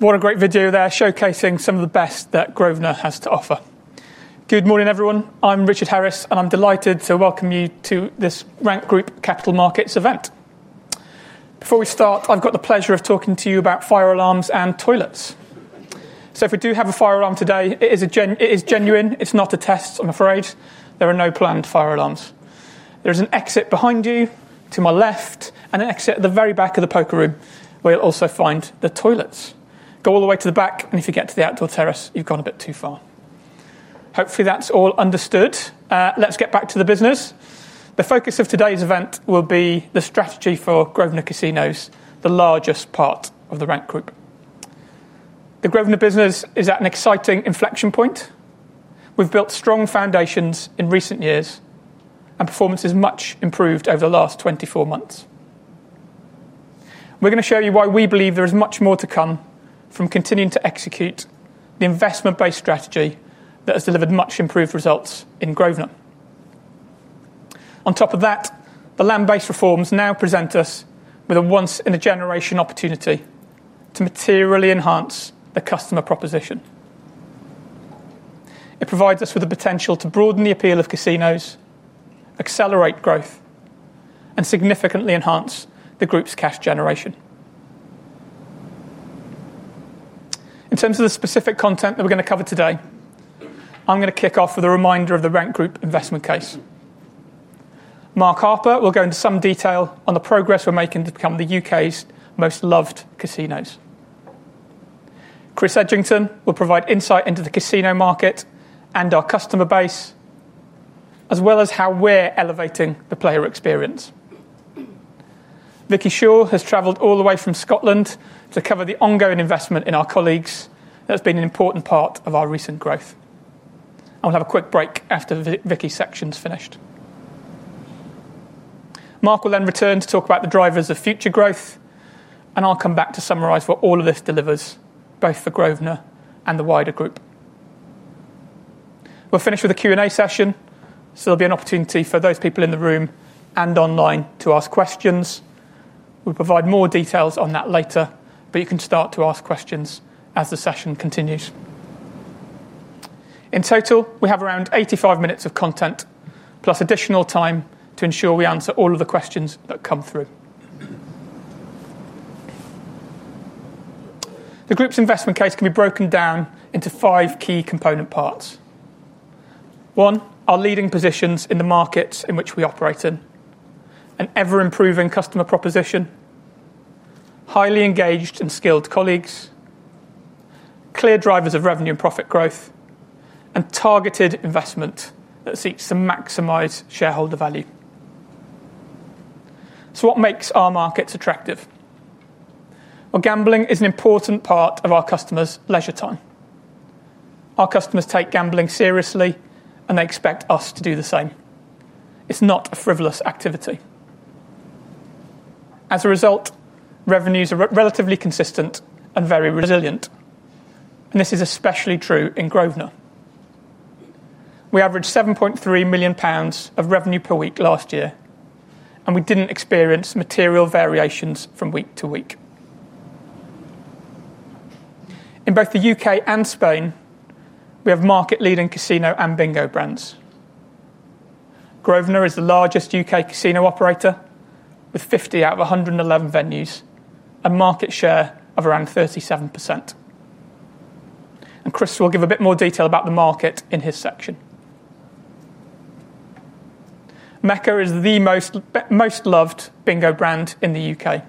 What a great video there showcasing some of the best that Grosvenor has to offer. Good morning, everyone. I'm Richard Harris, and I'm delighted to welcome you to this Rank Group Capital Markets event. Before we start, I've got the pleasure of talking to you about fire alarms and toilets. If we do have a fire alarm today, it is genuine. It's not a test, I'm afraid. There are no planned fire alarms. There is an exit behind you to my left and an exit at the very back of the poker room, where you'll also find the toilets. Go all the way to the back, and if you get to the outdoor terrace, you've gone a bit too far. Hopefully, that's all understood. Let's get back to the business. The focus of today's event will be the strategy for Grosvenor Casinos, the largest part of The Rank Group Plc. The Grosvenor business is at an exciting inflection point. We've built strong foundations in recent years, and performance is much improved over the last 24 months. We're going to show you why we believe there is much more to come from continuing to execute the investment-based strategy that has delivered much improved results in Grosvenor. On top of that, the land-based gaming reforms now present us with a once-in-a-generation opportunity to materially enhance the customer proposition. It provides us with the potential to broaden the appeal of casinos, accelerate growth, and significantly enhance the group's cash generation. In terms of the specific content that we're going to cover today, I'm going to kick off with a reminder of The Rank Group Plc investment case. Mark Harper will go into some detail on the progress we're making to become the U.K.'s most loved casinos. Chris Edgington will provide insight into the casino market and our customer base, as well as how we're elevating the player experience. Vicki Shaw has traveled all the way from Scotland to cover the ongoing investment in our colleagues. That's been an important part of our recent growth. We'll have a quick break after Vicki's section's finished. Mark will then return to talk about the drivers of future growth, and I'll come back to summarize what all of this delivers, both for Grosvenor and the wider group. We'll finish with a Q&A session, so there'll be an opportunity for those people in the room and online to ask questions. We'll provide more details on that later, but you can start to ask questions as the session continues. In total, we have around 85 minutes of content, plus additional time to ensure we answer all of the questions that come through. The group's investment case can be broken down into five key component parts. One, our leading positions in the markets in which we operate in, an ever-improving customer proposition, highly engaged and skilled colleagues, clear drivers of revenue and profit growth, and targeted investment that seeks to maximize shareholder value. What makes our markets attractive? Gambling is an important part of our customers' leisure time. Our customers take gambling seriously, and they expect us to do the same. It's not a frivolous activity. As a result, revenues are relatively consistent and very resilient. This is especially true in Grosvenor. We averaged 7.3 million pounds of revenue per week last year, and we didn't experience material variations from week to week. In both the U.K. and Spain, we have market-leading casino and bingo brands. Grosvenor is the largest U.K. casino operator, with 50 out of 111 venues, a market share of around 37%. Chris will give a bit more detail about the market in his section. Mecca is the most loved bingo brand in the U.K..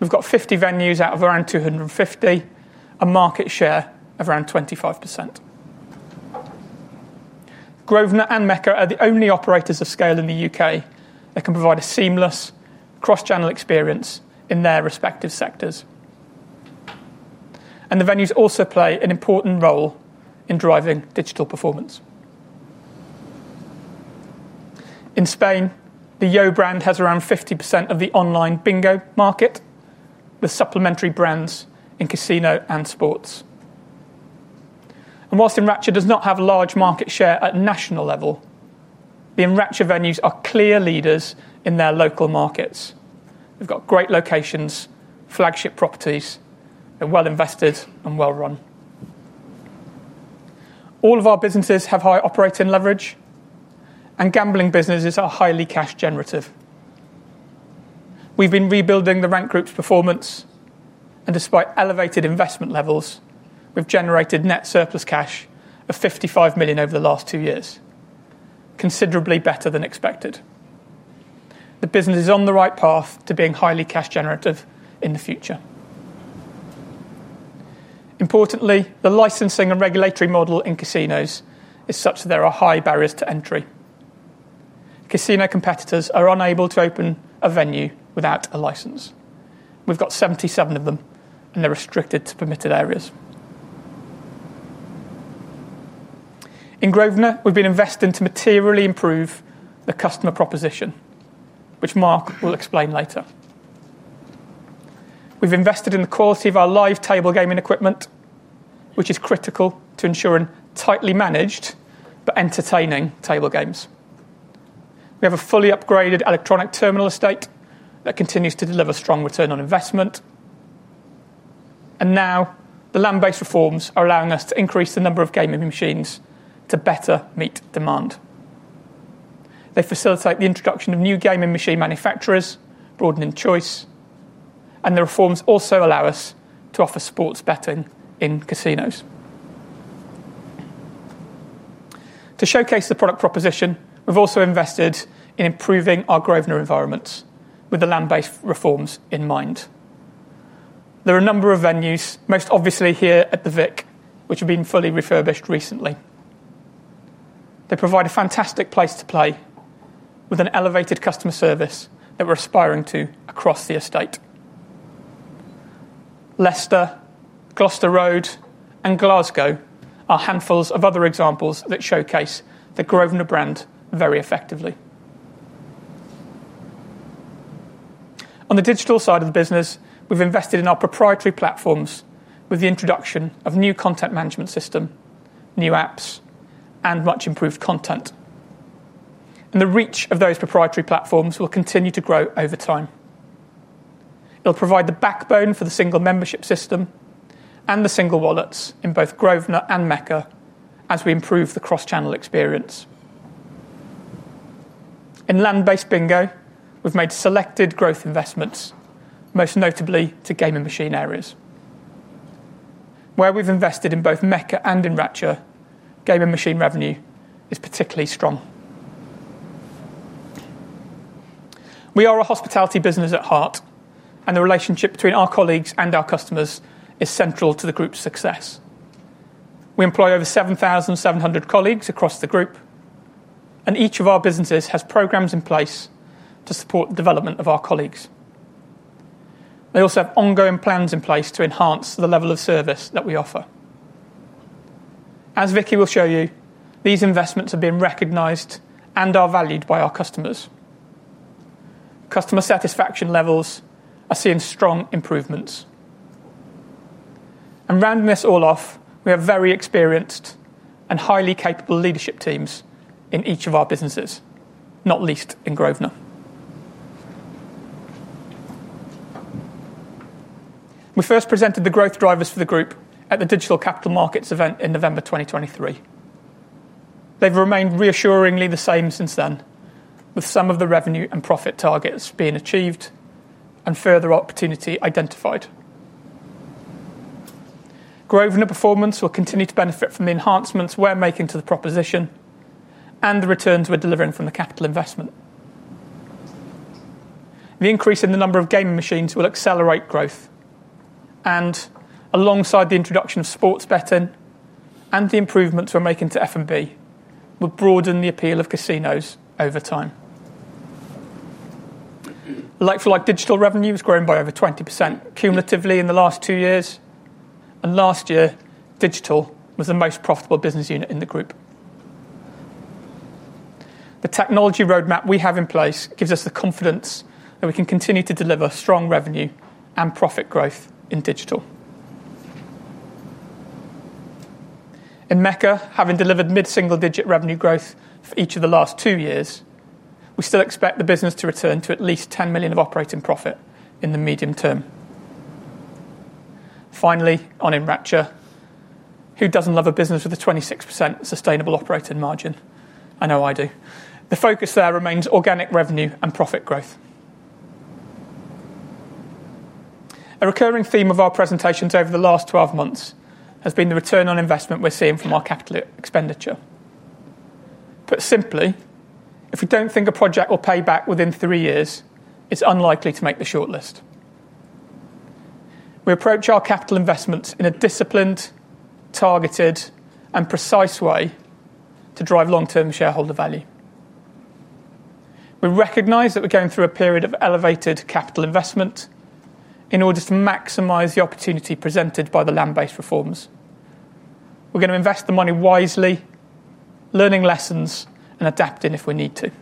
We've got 50 venues out of around 250, a market share of around 25%. Grosvenor and Mecca are the only operators of scale in the U.K. that can provide a seamless cross-channel experience in their respective sectors. The venues also play an important role in driving digital performance. In Spain, the YO brand has around 50% of the online bingo market, with supplementary brands in casino and sports. Whilst Enractor does not have a large market share at a national level, the Enractor venues are clear leaders in their local markets. They've got great locations, flagship properties, they're well invested and well run. All of our businesses have high operating leverage, and gambling businesses are highly cash generative. We've been rebuilding The Rank Group Plc's performance, and despite elevated investment levels, we've generated net surplus cash of 55 million over the last two years, considerably better than expected. The business is on the right path to being highly cash generative in the future. Importantly, the licensing and regulatory model in casinos is such that there are high barriers to entry. Casino competitors are unable to open a venue without a license. We've got 77 of them, and they're restricted to permitted areas. In Grosvenor, we've been investing to materially improve the customer proposition, which Mark will explain later. We've invested in the quality of our live table gaming equipment, which is critical to ensuring tightly managed but entertaining table games. We have a fully upgraded electronic terminal estate that continues to deliver strong return on investment. Now, the land-based gaming reforms are allowing us to increase the number of casino machines to better meet demand. They facilitate the introduction of new gaming machine manufacturers, broadening choice, and the reforms also allow us to offer sports betting in casinos. To showcase the product proposition, we've also invested in improving our Grosvenor environments, with the land-based gaming reforms in mind. There are a number of venues, most obviously here at the Vic, which have been fully refurbished recently. They provide a fantastic place to play, with an elevated customer service that we're aspiring to across the estate. Leicester, Gloucester Road, and Glasgow are handfuls of other examples that showcase the Grosvenor brand very effectively. On the digital side of the business, we've invested in our proprietary technology platforms, with the introduction of a new content management system, new apps, and much improved content. The reach of those proprietary platforms will continue to grow over time. It'll provide the backbone for the single membership system and the single wallets in both Grosvenor and Mecca as we improve the cross-channel engagement experience. In land-based bingo, we've made selected growth investments, most notably to gaming machine areas. Where we've invested in both Mecca and Grosvenor, gaming machine revenue is particularly strong. We are a hospitality business at heart, and the relationship between our colleagues and our customers is central to the group's success. We employ over 7,700 colleagues across the group, and each of our businesses has programs in place to support the development of our colleagues. They also have ongoing plans in place to enhance the level of service that we offer. As Vicki Shaw will show you, these investments have been recognized and are valued by our customers. Customer satisfaction levels are seeing strong improvements. Rounding this all off, we have very experienced and highly capable leadership teams in each of our businesses, not least in Grosvenor. We first presented the growth drivers for the group at the Digital Capital Markets event in November 2023. They've remained reassuringly the same since then, with some of the revenue and profit targets being achieved and further opportunity identified. Grosvenor performance will continue to benefit from the enhancements we're making to the proposition and the returns we're delivering from the capital investment. The increase in the number of gaming machines will accelerate growth, and alongside the introduction of sports betting and the improvements we're making to F&B, will broaden the appeal of casinos over time. Like for like, digital revenue has grown by over 20% cumulatively in the last two years, and last year, digital was the most profitable business unit in the group. The technology roadmap we have in place gives us the confidence that we can continue to deliver strong revenue and profit growth in digital. In Mecca, having delivered mid-single-digit revenue growth for each of the last two years, we still expect the business to return to at least 10 million of operating profit in the medium term. Finally, on Enric Monton, who doesn't love a business with a 26% sustainable operating margin? I know I do. The focus there remains organic revenue and profit growth. A recurring theme of our presentations over the last 12 months has been the return on investment we're seeing from our capital expenditure. Put simply, if we don't think a project will pay back within three years, it's unlikely to make the shortlist. We approach our capital investments in a disciplined, targeted, and precise way to drive long-term shareholder value. We recognize that we're going through a period of elevated capital investment in order to maximize the opportunity presented by the land-based gaming reforms. We're going to invest the money wisely, learning lessons, and adapting if we need to.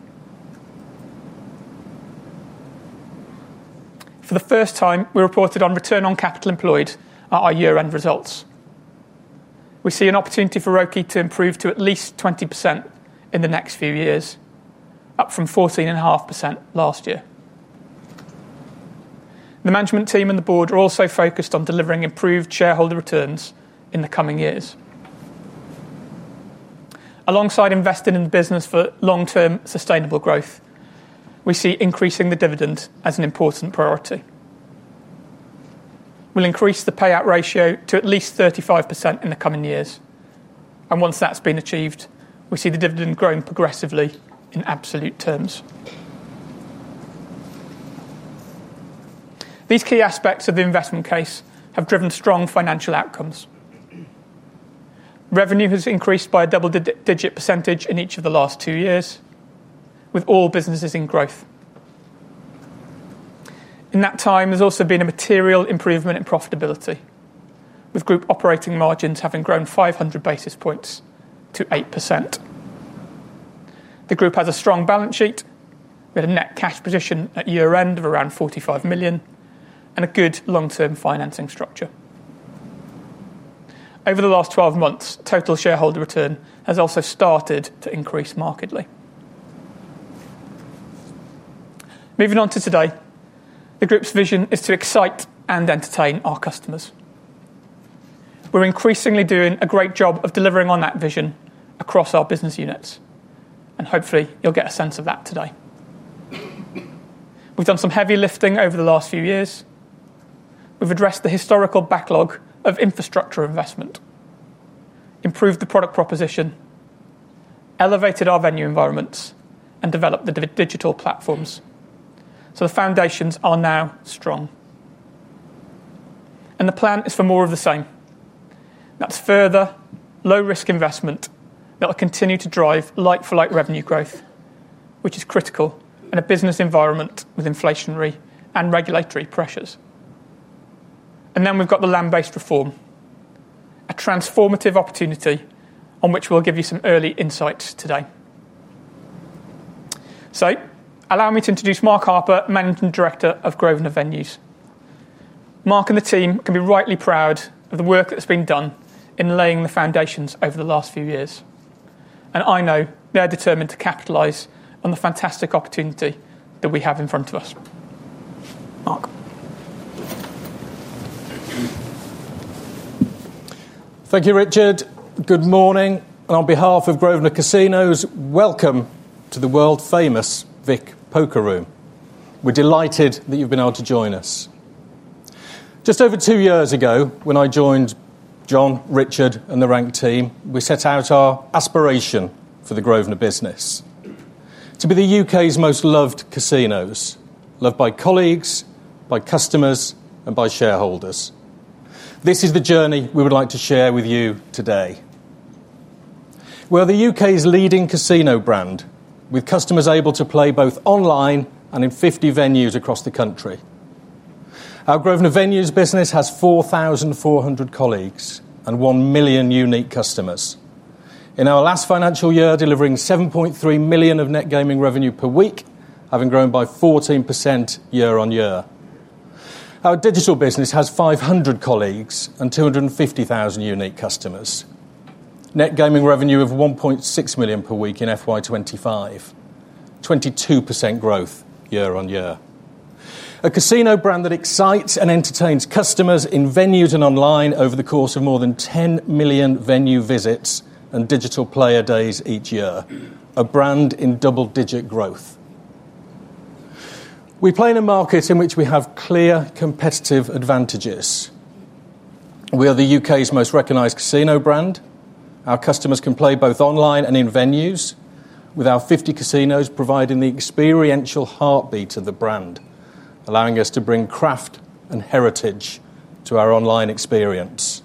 For the first time, we reported on return on capital employed at our year-end results. We see an opportunity for ROCE to improve to at least 20% in the next few years, up from 14.5% last year. The management team and the board are also focused on delivering improved shareholder returns in the coming years. Alongside investing in the business for long-term sustainable growth, we see increasing the dividend as an important priority. We'll increase the dividend payout ratio to at least 35% in the coming years, and once that's been achieved, we see the dividend growing progressively in absolute terms. These key aspects of the investment case have driven strong financial outcomes. Revenue has increased by a double-digit percentage in each of the last two years, with all businesses in growth. In that time, there's also been a material improvement in profitability, with group operating margins having grown 500 basis points to 8%. The group has a strong balance sheet, with a net cash position at year-end of around 45 million and a good long-term financing structure. Over the last 12 months, total shareholder return has also started to increase markedly. Moving on to today, the group's vision is to excite and entertain our customers. We're increasingly doing a great job of delivering on that vision across our business units, and hopefully, you'll get a sense of that today. We've done some heavy lifting over the last few years. We've addressed the historical backlog of infrastructure investment, improved the product proposition, elevated our venue environments, and developed the digital platforms. The foundations are now strong. The plan is for more of the same. That's further low-risk investment that will continue to drive like-for-like revenue growth, which is critical in a business environment with inflationary and regulatory pressures. We have the land-based reform, a transformative opportunity on which we'll give you some early insights today. Allow me to introduce Mark Harper, Managing Director of Grosvenor Venues. Mark and the team can be rightly proud of the work that's been done in laying the foundations over the last few years, and I know they're determined to capitalize on the fantastic opportunity that we have in front of us. Mark. Thank you, Richard. Good morning, and on behalf of Grosvenor Casinos, welcome to the world-famous Vic Poker Room. We're delighted that you've been able to join us. Just over two years ago, when I joined John, Richard, and the Rank team, we set out our aspiration for the Grosvenor business to be the U.K.'s most loved casinos, loved by colleagues, by customers, and by shareholders. This is the journey we would like to share with you today. We're the U.K.'s leading casino brand, with customers able to play both online and in 50 venues across the country. Our Grosvenor Venues business has 4,400 colleagues and 1 million unique customers. In our last financial year, delivering 7.3 million of net gaming revenue per week, having grown by 14% year on year. Our digital business has 500 colleagues and 250,000 unique customers, net gaming revenue of 1.6 million per week in FY 2025, 22% growth year on year. A casino brand that excites and entertains customers in venues and online over the course of more than 10 million venue visits and digital player days each year, a brand in double-digit growth. We play in a market in which we have clear competitive advantages. We are the U.K.'s most recognized casino brand. Our customers can play both online and in venues, with our 50 casinos providing the experiential heartbeat of the brand, allowing us to bring craft and heritage to our online experience.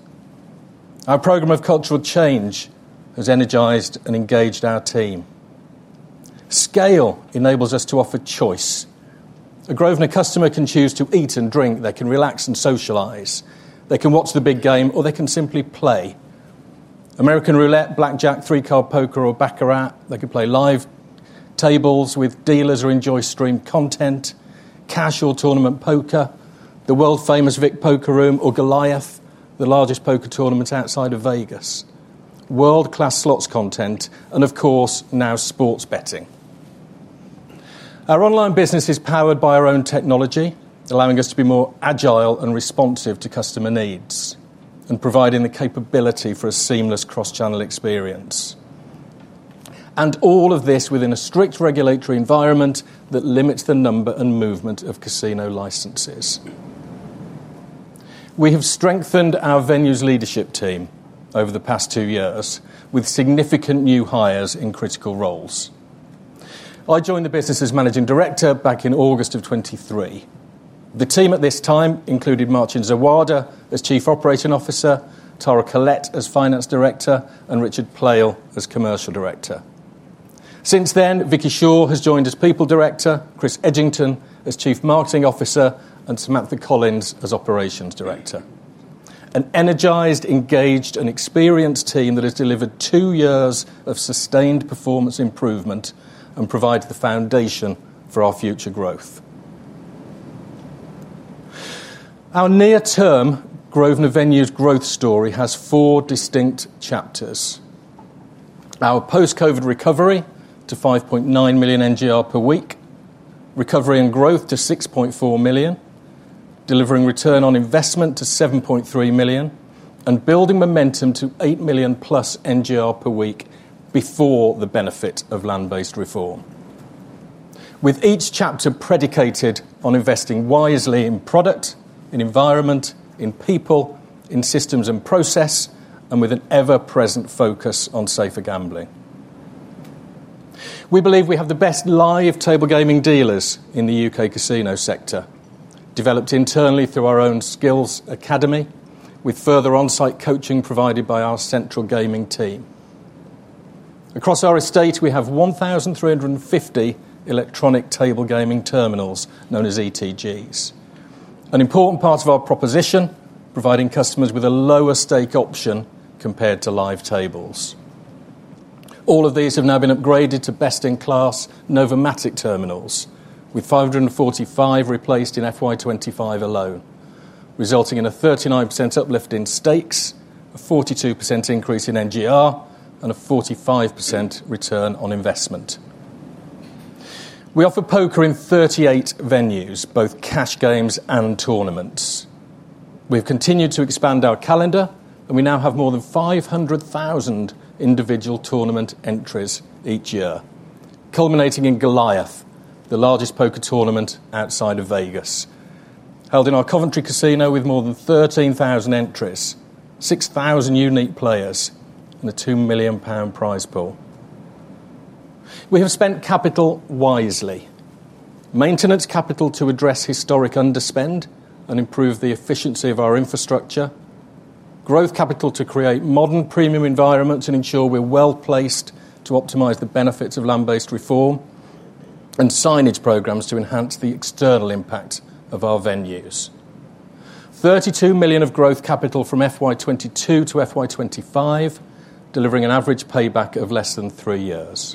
Our program of cultural change has energized and engaged our team. Scale enables us to offer choice. A Grosvenor customer can choose to eat and drink, they can relax and socialize, they can watch the big game, or they can simply play. American Roulette, Blackjack, three-card poker, or Baccarat, they could play live tables with dealers or enjoy streamed content, casual tournament poker, the world-famous Vic Poker Room or Goliath, the largest poker tournament outside of Vegas, world-class slots content, and of course, now sports betting. Our online business is powered by our own technology, allowing us to be more agile and responsive to customer needs and providing the capability for a seamless cross-channel experience. All of this within a strict regulatory environment that limits the number and movement of casino licenses. We have strengthened our venues leadership team over the past two years with significant new hires in critical roles. I joined the business as Managing Director back in August of 2023. The team at this time included Martin Zawada as Chief Operating Officer, Tara Collette as Finance Director, and Richard Pleil as Commercial Director. Since then, Vicki Shaw has joined as People Director, Chris Edgington as Chief Marketing Officer, and Samantha Collins as Operations Director. An energized, engaged, and experienced team that has delivered two years of sustained performance improvement and provided the foundation for our future growth. Our near-term Grosvenor Venues growth story has four distinct chapters. Our post-COVID recovery to 5.9 million NGR per week, recovery and growth to 6.4 million, delivering return on investment to 7.3 million, and building momentum to 8 million plus NGR per week before the benefit of land-based reform. Each chapter is predicated on investing wisely in product, in environment, in people, in systems and process, and with an ever-present focus on safer gambling. We believe we have the best live table gaming dealers in the U.K. casino sector, developed internally through our own skills academy, with further on-site coaching provided by our central gaming team. Across our estate, we have 1,350 electronic table gaming terminals known as ETGs. An important part of our proposition is providing customers with a lower stake option compared to live tables. All of these have now been upgraded to best-in-class Novomatic terminals, with 545 replaced in FY 2025 alone, resulting in a 39% uplift in stakes, a 42% increase in NGR, and a 45% return on investment. We offer poker in 38 venues, both cash games and tournaments. We've continued to expand our calendar, and we now have more than 500,000 individual tournament entries each year, culminating in Goliath, the largest poker tournament outside of Vegas, held in our Coventry Casino with more than 13,000 entries, 6,000 unique players, and a 2 million pound prize pool. We have spent capital wisely, maintenance capital to address historic underspend and improve the efficiency of our infrastructure, growth capital to create modern premium environments and ensure we're well placed to optimize the benefits of land-based reform, and signage programs to enhance the external impact of our venues. 32 million of growth capital from FY 22 to FY 2025, delivering an average payback of less than three years.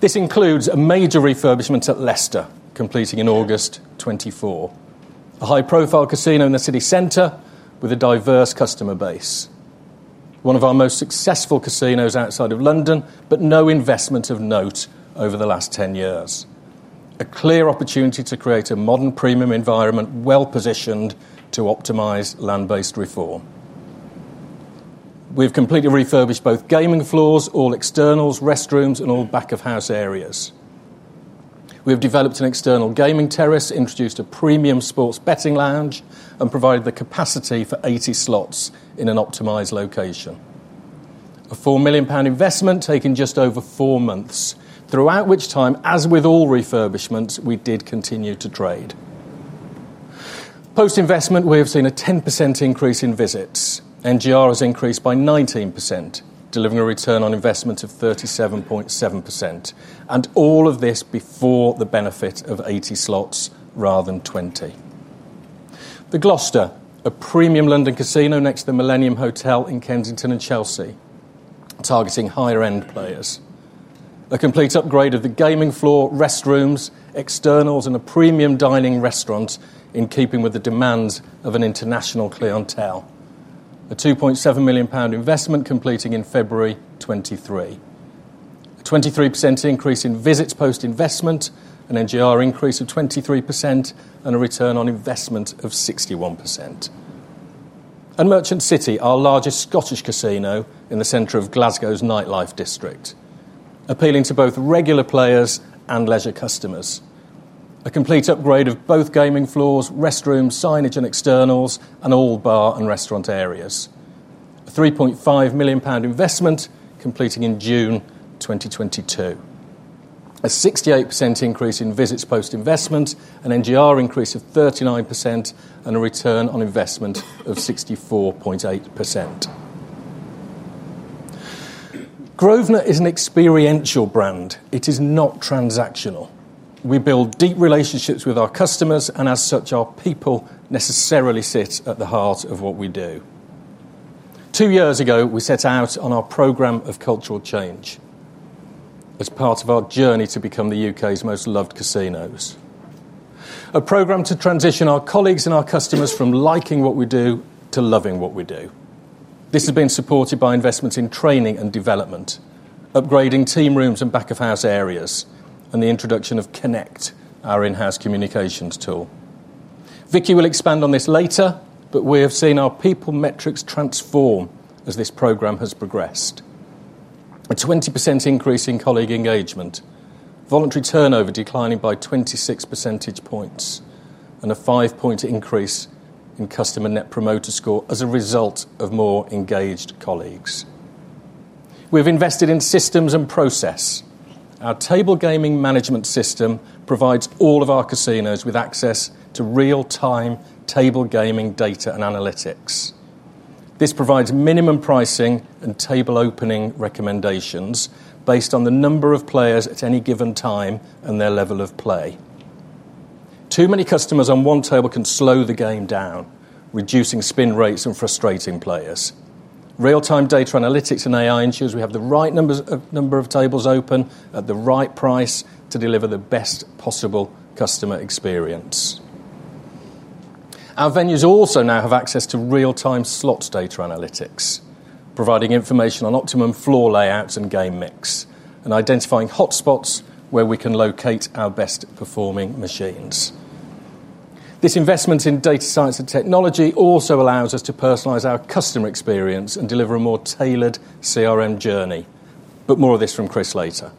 This includes a major refurbishment at Leicester, completing in August 2024, a high-profile casino in the city center with a diverse customer base. One of our most successful casinos outside of London, but no investment of note over the last 10 years. A clear opportunity to create a modern premium environment well positioned to optimize land-based reform. We've completely refurbished both gaming floors, all externals, restrooms, and all back-of-house areas. We've developed an external gaming terrace, introduced a premium sports betting lounge, and provided the capacity for 80 slot machines in an optimized location. A 4 million pound investment taking just over four months, throughout which time, as with all venue refurbishments, we did continue to trade. Post-investment, we have seen a 10% increase in visits. NGR has increased by 19%, delivering a return on investment of 37.7%, and all of this before the benefit of 80 slot machines rather than 20. The Gloucester, a premium London casino next to the Millennium Hotel in Kensington and Chelsea, targeting higher-end players. A complete upgrade of the gaming floor, restrooms, externals, and a premium dining restaurant in keeping with the demands of an international clientele. A 2.7 million pound investment completing in February 2023. A 23% increase in visits post-investment, an NGR increase of 23%, and a return on investment of 61%. Merchant City, our largest Scottish casino in the center of Glasgow's nightlife district, appealing to both regular players and leisure customers. A complete upgrade of both gaming floors, restrooms, signage, externals, and all bar and restaurant areas. A 3.5 million pound investment completing in June 2022. A 68% increase in visits post-investment, an NGR increase of 39%, and a return on investment of 64.8%. Grosvenor is an experiential brand. It is not transactional. We build deep relationships with our customers, and as such, our people necessarily sit at the heart of what we do. Two years ago, we set out on our program of cultural change as part of our journey to become the U.K.'s most loved casinos. A program to transition our colleagues and our customers from liking what we do to loving what we do. This has been supported by investment in training and development, upgrading team rooms and back-of-house areas, and the introduction of Connect, our in-house communications tool. Vicki will expand on this later, but we have seen our people metrics transform as this program has progressed. A 20% increase in colleague engagement, voluntary turnover declining by 26 percentage points, and a five-point increase in customer net promoter score as a result of more engaged colleagues. We've invested in systems and process. Our table gaming management system provides all of our casinos with access to real-time table gaming data and analytics. This provides minimum pricing and table opening recommendations based on the number of players at any given time and their level of play. Too many customers on one table can slow the game down, reducing spin rates and frustrating players. Real-time data analytics and AI ensures we have the right number of tables open at the right price to deliver the best possible customer experience. Our venues also now have access to real-time slot data analytics, providing information on optimum floor layouts and game mix and identifying hot spots where we can locate our best performing machines. This investment in data science and technology also allows us to personalize our customer experience and deliver a more tailored CRM journey, but more of this from Chris later.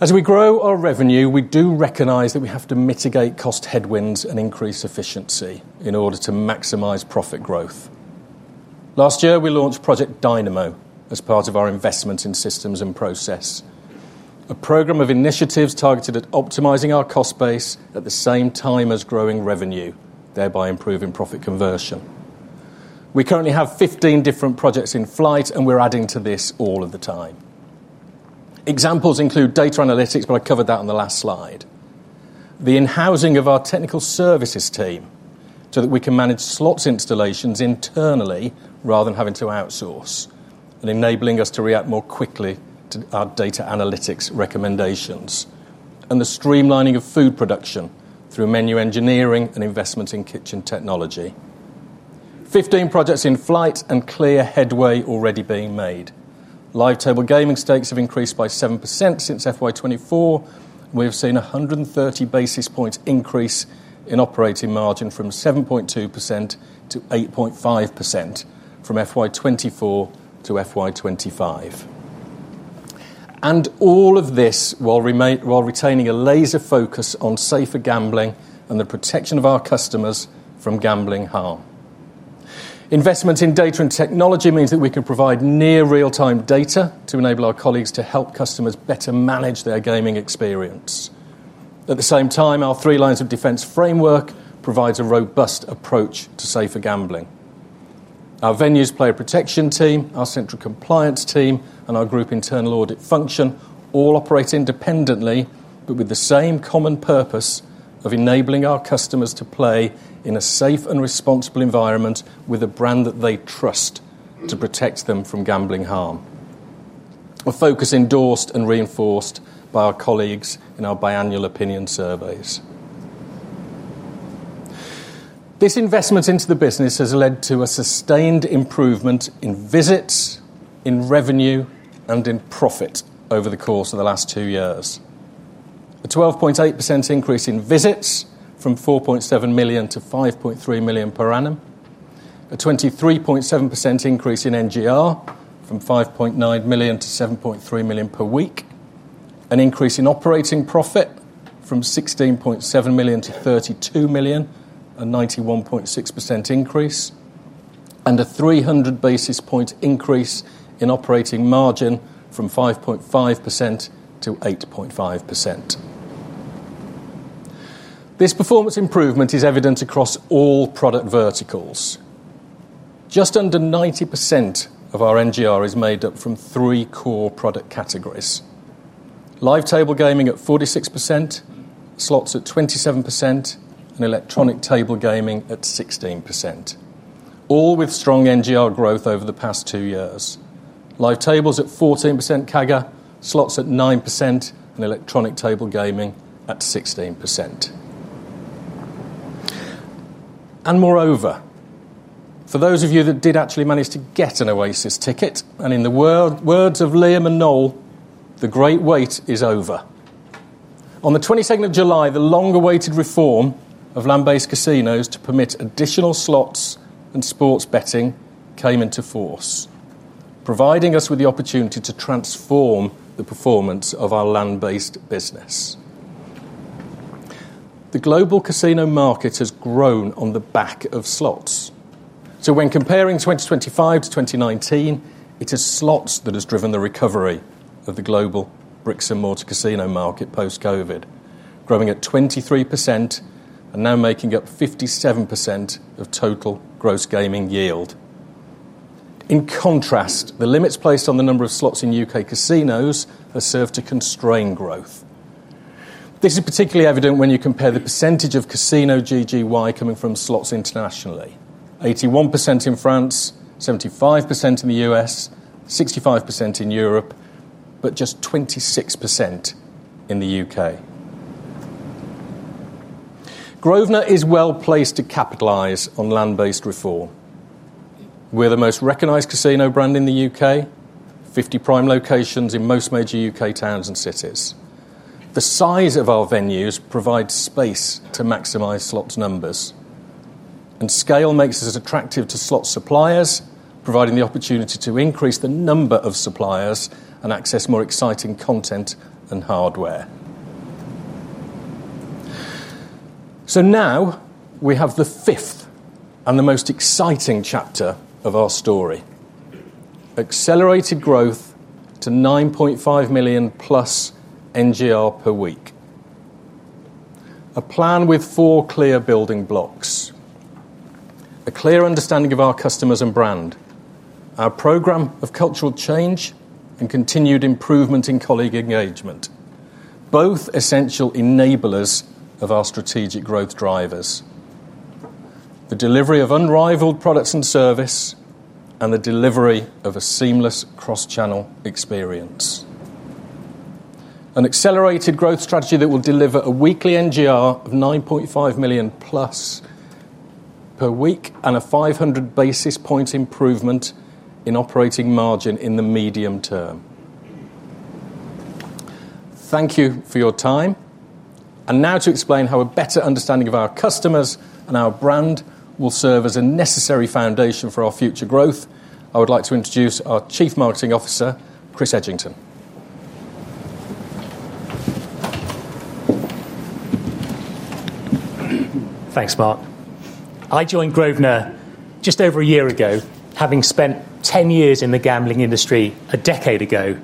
As we grow our revenue, we do recognize that we have to mitigate cost headwinds and increase efficiency in order to maximize profit growth. Last year, we launched Project Dynamo as part of our investment in systems and process, a program of initiatives targeted at optimizing our cost base at the same time as growing revenue, thereby improving profit conversion. We currently have 15 different projects in flight, and we're adding to this all of the time. Examples include data analytics, but I covered that on the last slide, the in-housing of our technical services team so that we can manage slots installations internally rather than having to outsource, and enabling us to react more quickly to our data analytics recommendations, and the streamlining of food production through menu engineering and investment in kitchen technology. 15 projects in flight and clear headway already being made. Live table gaming stakes have increased by 7% since FY 2024, and we've seen a 130 basis points increase in operating margin from 7.2% to 8.5% from FY 2024 to FY 2025. All of this while retaining a laser focus on safer gambling and the protection of our customers from gambling harm. Investment in data and technology means that we can provide near real-time data to enable our colleagues to help customers better manage their gaming experience. At the same time, our three lines of defense framework provide a robust approach to safer gambling. Our venues' player protection team, our central compliance team, and our group internal audit function all operate independently, but with the same common purpose of enabling our customers to play in a safe and responsible environment with a brand that they trust to protect them from gambling harm. This focus is endorsed and reinforced by our colleagues in our biannual opinion surveys. This investment into the business has led to a sustained improvement in visits, in revenue, and in profit over the course of the last two years. A 12.8% increase in visits from 4.7 million to 5.3 million per annum, a 23.7% increase in NGR from 5.9 million to 7.3 million per week, an increase in operating profit from 16.7 million to 32 million, a 91.6% increase, and a 300 basis point increase in operating margin from 5.5% to 8.5%. This performance improvement is evident across all product verticals. Just under 90% of our NGR is made up from three core product categories: live table gaming at 46%, slots at 27%, and electronic table gaming at 16%, all with strong NGR growth over the past two years. Live tables at 14% CAGR, slots at 9%, and electronic table gaming at 16%. Moreover, for those of you that did actually manage to get an Oasis ticket, in the words of Liam and Noel, the great wait is over. On the 22nd of July, the long-awaited reform of land-based casinos to permit additional slots and sports betting came into force, providing us with the opportunity to transform the performance of our land-based business. The global casino market has grown on the back of slots. When comparing 2025 to 2019, it is slots that have driven the recovery of the global bricks-and-mortar casino market post-COVID, growing at 23% and now making up 57% of total gross gaming yield. In contrast, the limits placed on the number of slots in U.K. casinos have served to constrain growth. This is particularly evident when you compare the percentage of casino GGY coming from slots internationally, 81% in France, 75% in the U.S., 65% in Europe, but just 26% in the U.K.. Grosvenor is well placed to capitalize on land-based reform. We're the most recognized casino brand in the U.K., 50 prime locations in most major U.K. towns and cities. The size of our venues provides space to maximize slot machine numbers, and scale makes us attractive to slot suppliers, providing the opportunity to increase the number of suppliers and access more exciting content and hardware. Now we have the fifth and the most exciting chapter of our story: accelerated growth to 9.5 million+ NGR per week. A plan with four clear building blocks, a clear understanding of our customers and brand, our program of cultural change, and continued improvement in colleague engagement, both essential enablers of our strategic growth drivers: the delivery of unrivaled products and service and the delivery of a seamless cross-channel experience. An accelerated growth strategy that will deliver a weekly NGR of 9.5 million+ per week and a 500 basis point improvement in operating margin in the medium term. Thank you for your time. Now to explain how a better understanding of our customers and our brand will serve as a necessary foundation for our future growth, I would like to introduce our Chief Marketing Officer, Chris Edgington. Thanks, Mark. I joined Grosvenor just over a year ago, having spent 10 years in the gambling industry a decade ago.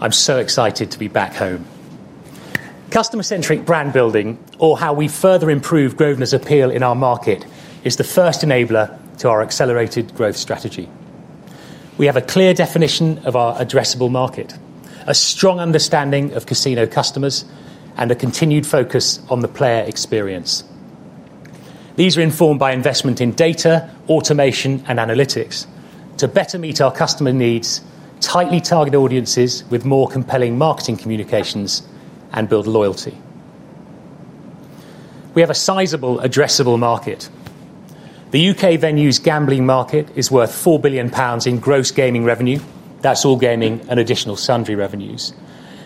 I'm so excited to be back home. Customer-centric brand building, or how we further improve Grosvenor's appeal in our market, is the first enabler to our accelerated growth strategy. We have a clear definition of our addressable market, a strong understanding of casino customers, and a continued focus on the player experience. These are informed by investment in data, automation, and analytics to better meet our customer needs, tightly target audiences with more compelling marketing communications, and build loyalty. We have a sizable addressable market. The U.K. venues' gambling market is worth 4 billion pounds in gross gaming revenue. That's all gaming and additional sundry revenues.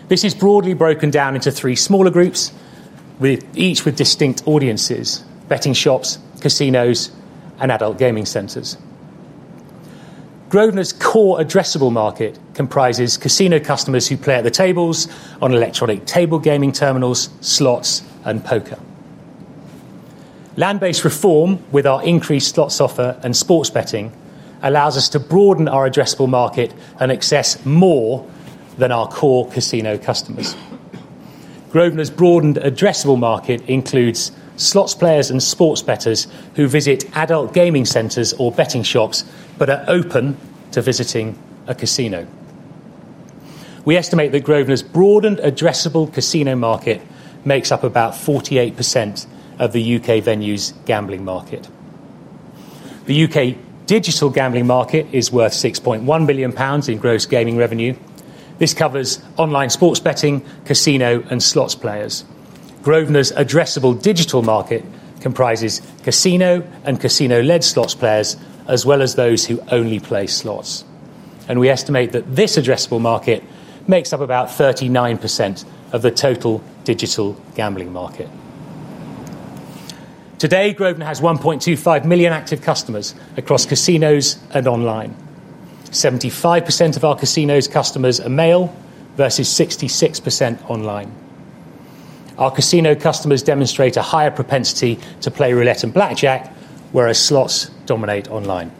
This is broadly broken down into three smaller groups, each with distinct audiences: betting shops, casinos, and adult gaming centers. Grosvenor's core addressable market comprises casino customers who play at the tables, on electronic table gaming terminals, slots, and poker. Land-based reform, with our increased slots offer and sports betting, allows us to broaden our addressable market and access more than our core casino customers. Grosvenor's broadened addressable market includes slots players and sports bettors who visit adult gaming centers or betting shops but are open to visiting a casino. We estimate that Grosvenor's broadened addressable casino market makes up about 48% of the U.K. venues' gambling market. The U.K. digital gambling market is worth 6.1 billion pounds in gross gaming revenue. This covers online sports betting, casino, and slots players. Grosvenor's addressable digital market comprises casino and casino-led slots players, as well as those who only play slots. We estimate that this addressable market makes up about 39% of the total digital gambling market. Today, Grosvenor has 1.25 million active customers across casinos and online. 75% of our casino's customers are male versus 66% online. Our casino customers demonstrate a higher propensity to play Roulette and Blackjack, whereas slots dominate online.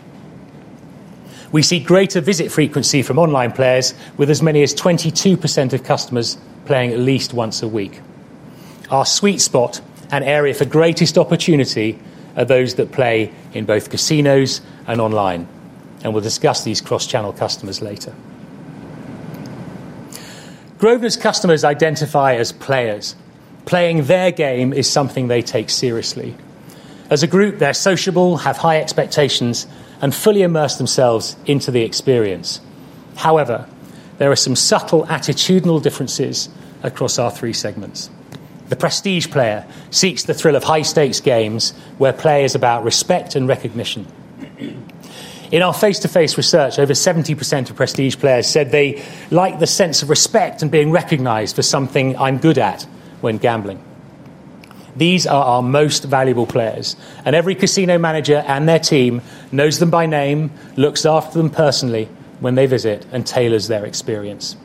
We see greater visit frequency from online players, with as many as 22% of customers playing at least once a week. Our sweet spot and area for greatest opportunity are those that play in both casinos and online, and we'll discuss these cross-channel customers later. Grosvenor's customers identify as players. Playing their game is something they take seriously. As a group, they're sociable, have high expectations, and fully immerse themselves into the experience. However, there are some subtle attitudinal differences across our three segments. The prestige player seeks the thrill of high-stakes games where play is about respect and recognition. In our face-to-face research, over 70% of prestige players said they like the sense of respect and being recognized for something I'm good at when gambling. These are our most valuable players, and every casino manager and their team knows them by name, looks after them personally when they visit, and tailors their experience.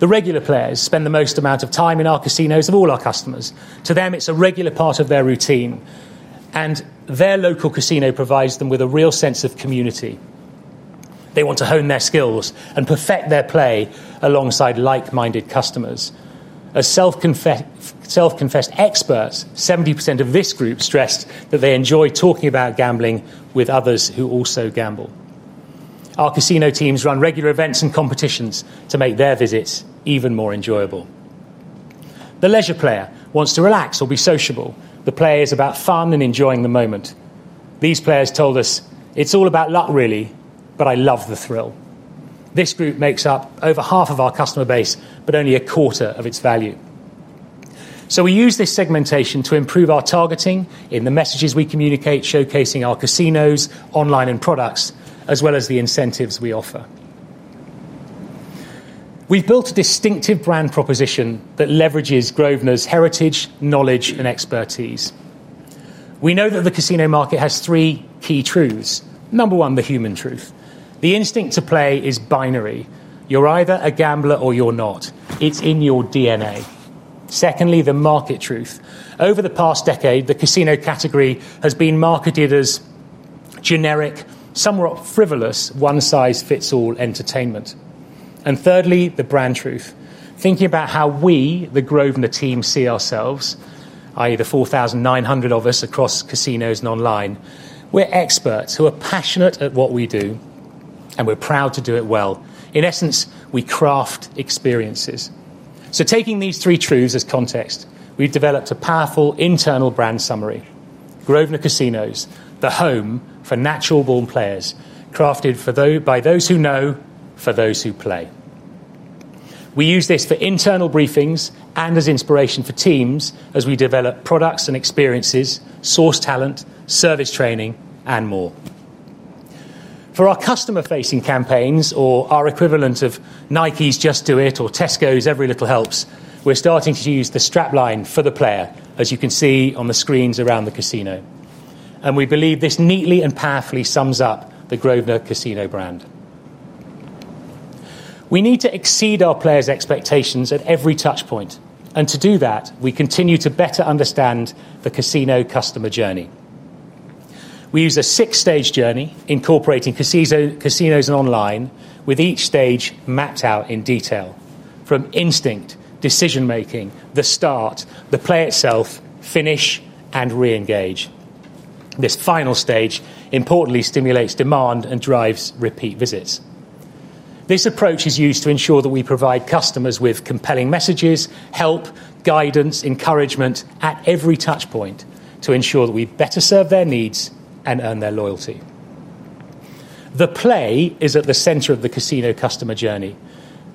The regular players spend the most amount of time in our casinos of all our customers. To them, it's a regular part of their routine, and their local casino provides them with a real sense of community. They want to hone their skills and perfect their play alongside like-minded customers. As self-confessed experts, 70% of this group stressed that they enjoy talking about gambling with others who also gamble. Our casino teams run regular events and competitions to make their visits even more enjoyable. The leisure player wants to relax or be sociable. The play is about fun and enjoying the moment. These players told us, "It's all about luck, really, but I love the thrill." This group makes up over half of our customer base, but only a quarter of its value. We use this segmentation to improve our targeting in the messages we communicate, showcasing our casinos, online, and products, as well as the incentives we offer. We've built a distinctive brand proposition that leverages Grosvenor's heritage, knowledge, and expertise. We know that the casino market has three key truths. Number one, the human truth. The instinct to play is binary. You're either a gambler or you're not. It's in your DNA. Secondly, the market truth. Over the past decade, the casino category has been marketed as generic, somewhat frivolous, one-size-fits-all entertainment. Thirdly, the brand truth. Thinking about how we, the Grosvenor team, see ourselves, i.e. the 4,900 of us across casinos and online, we're experts who are passionate at what we do, and we're proud to do it well. In essence, we craft experiences. Taking these three truths as context, we've developed a powerful internal brand summary: Grosvenor Casinos, the home for natural-born players, crafted by those who know, for those who play. We use this for internal briefings and as inspiration for teams as we develop products and experiences, source talent, service training, and more. For our customer-facing campaigns, or our equivalent of Nike's Just Do It or Tesco's Every Little Helps, we're starting to use the strap line for the player, as you can see on the screens around the casino. We believe this neatly and powerfully sums up the Grosvenor Casinos brand. We need to exceed our players' expectations at every touchpoint, and to do that, we continue to better understand the casino customer journey. We use a six-stage journey, incorporating casinos and online, with each stage mapped out in detail, from instinct, decision-making, the start, the play itself, finish, and re-engage. This final stage importantly stimulates demand and drives repeat visits. This approach is used to ensure that we provide customers with compelling messages, help, guidance, and encouragement at every touchpoint to ensure that we better serve their needs and earn their loyalty. The play is at the center of the casino customer journey,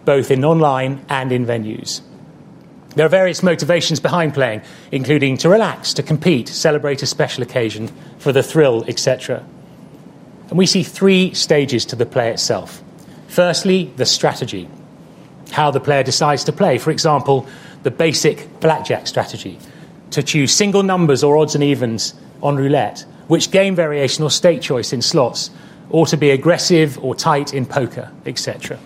both in online and in venues. There are various motivations behind playing, including to relax, to compete, celebrate a special occasion, for the thrill, etc. We see three stages to the play itself. Firstly, the strategy, how the player decides to play. For example, the basic Blackjack strategy, to choose single numbers or odds and evens on Roulette, which game variation or stake choice in slots, or to be aggressive or tight in poker, etc.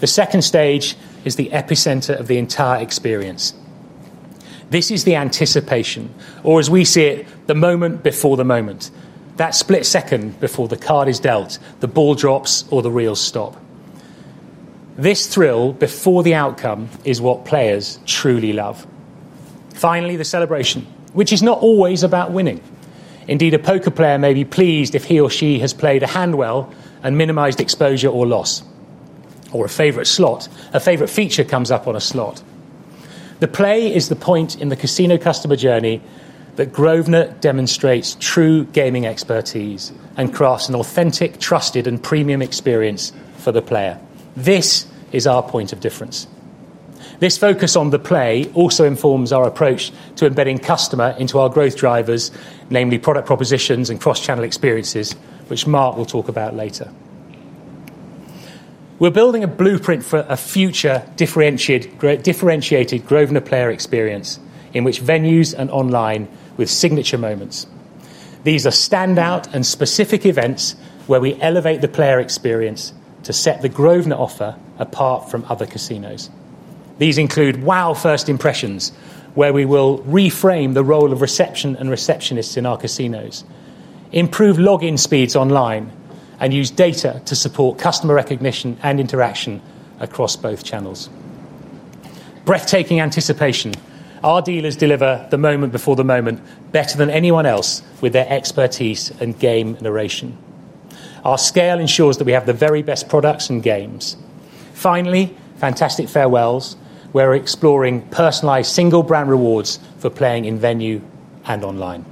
The second stage is the epicenter of the entire experience. This is the anticipation, or as we see it, the moment before the moment, that split second before the card is dealt, the ball drops, or the reels stop. This thrill before the outcome is what players truly love. Finally, the celebration, which is not always about winning. Indeed, a poker player may be pleased if he or she has played a hand well and minimized exposure or loss, or a favorite feature comes up on a slot. The play is the point in the casino customer journey that Grosvenor Casinos demonstrates true gaming expertise and crafts an authentic, trusted, and premium experience for the player. This is our point of difference. This focus on the play also informs our approach to embedding customer into our growth drivers, namely product propositions and cross-channel experiences, which Mark will talk about later. We're building a blueprint for a future differentiated Grosvenor player experience in which venues and online with signature moments. These are standout and specific events where we elevate the player experience to set the Grosvenor offer apart from other casinos. These include wow first impressions, where we will reframe the role of reception and receptionists in our casinos, improve login speeds online, and use data to support customer recognition and interaction across both channels. Breathtaking anticipation. Our dealers deliver the moment before the moment better than anyone else with their expertise and game narration. Our scale ensures that we have the very best products and games. Finally, fantastic farewells, where we're exploring personalized single-brand rewards for playing in venue and online.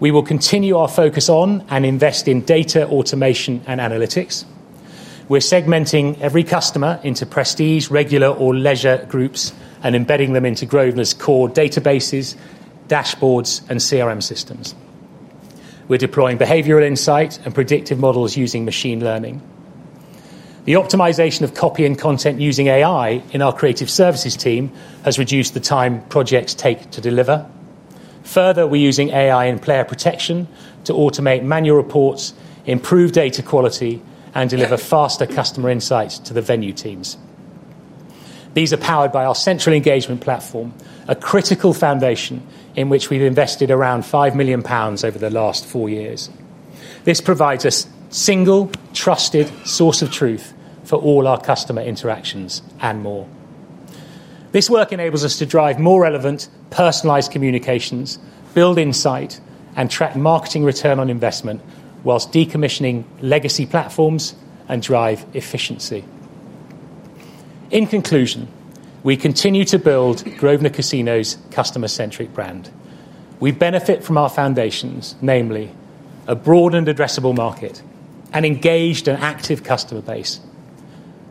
We will continue our focus on and invest in data automation and analytics. We're segmenting every customer into prestige, regular, or leisure groups and embedding them into Grosvenor's core databases, dashboards, and CRM systems. We're deploying behavioral insight and predictive models using machine learning. The optimization of copy and content using AI in our creative services team has reduced the time projects take to deliver. Further, we're using AI and player protection to automate manual reports, improve data quality, and deliver faster customer insights to the venue teams. These are powered by our central engagement platform, a critical foundation in which we've invested around 5 million pounds over the last four years. This provides a single, trusted source of truth for all our customer interactions and more. This work enables us to drive more relevant, personalized communications, build insight, and track marketing return on investment whilst decommissioning legacy platforms and drive efficiency. In conclusion, we continue to build Grosvenor Casinos' customer-centric brand. We benefit from our foundations, namely a broad and addressable market, an engaged and active customer base,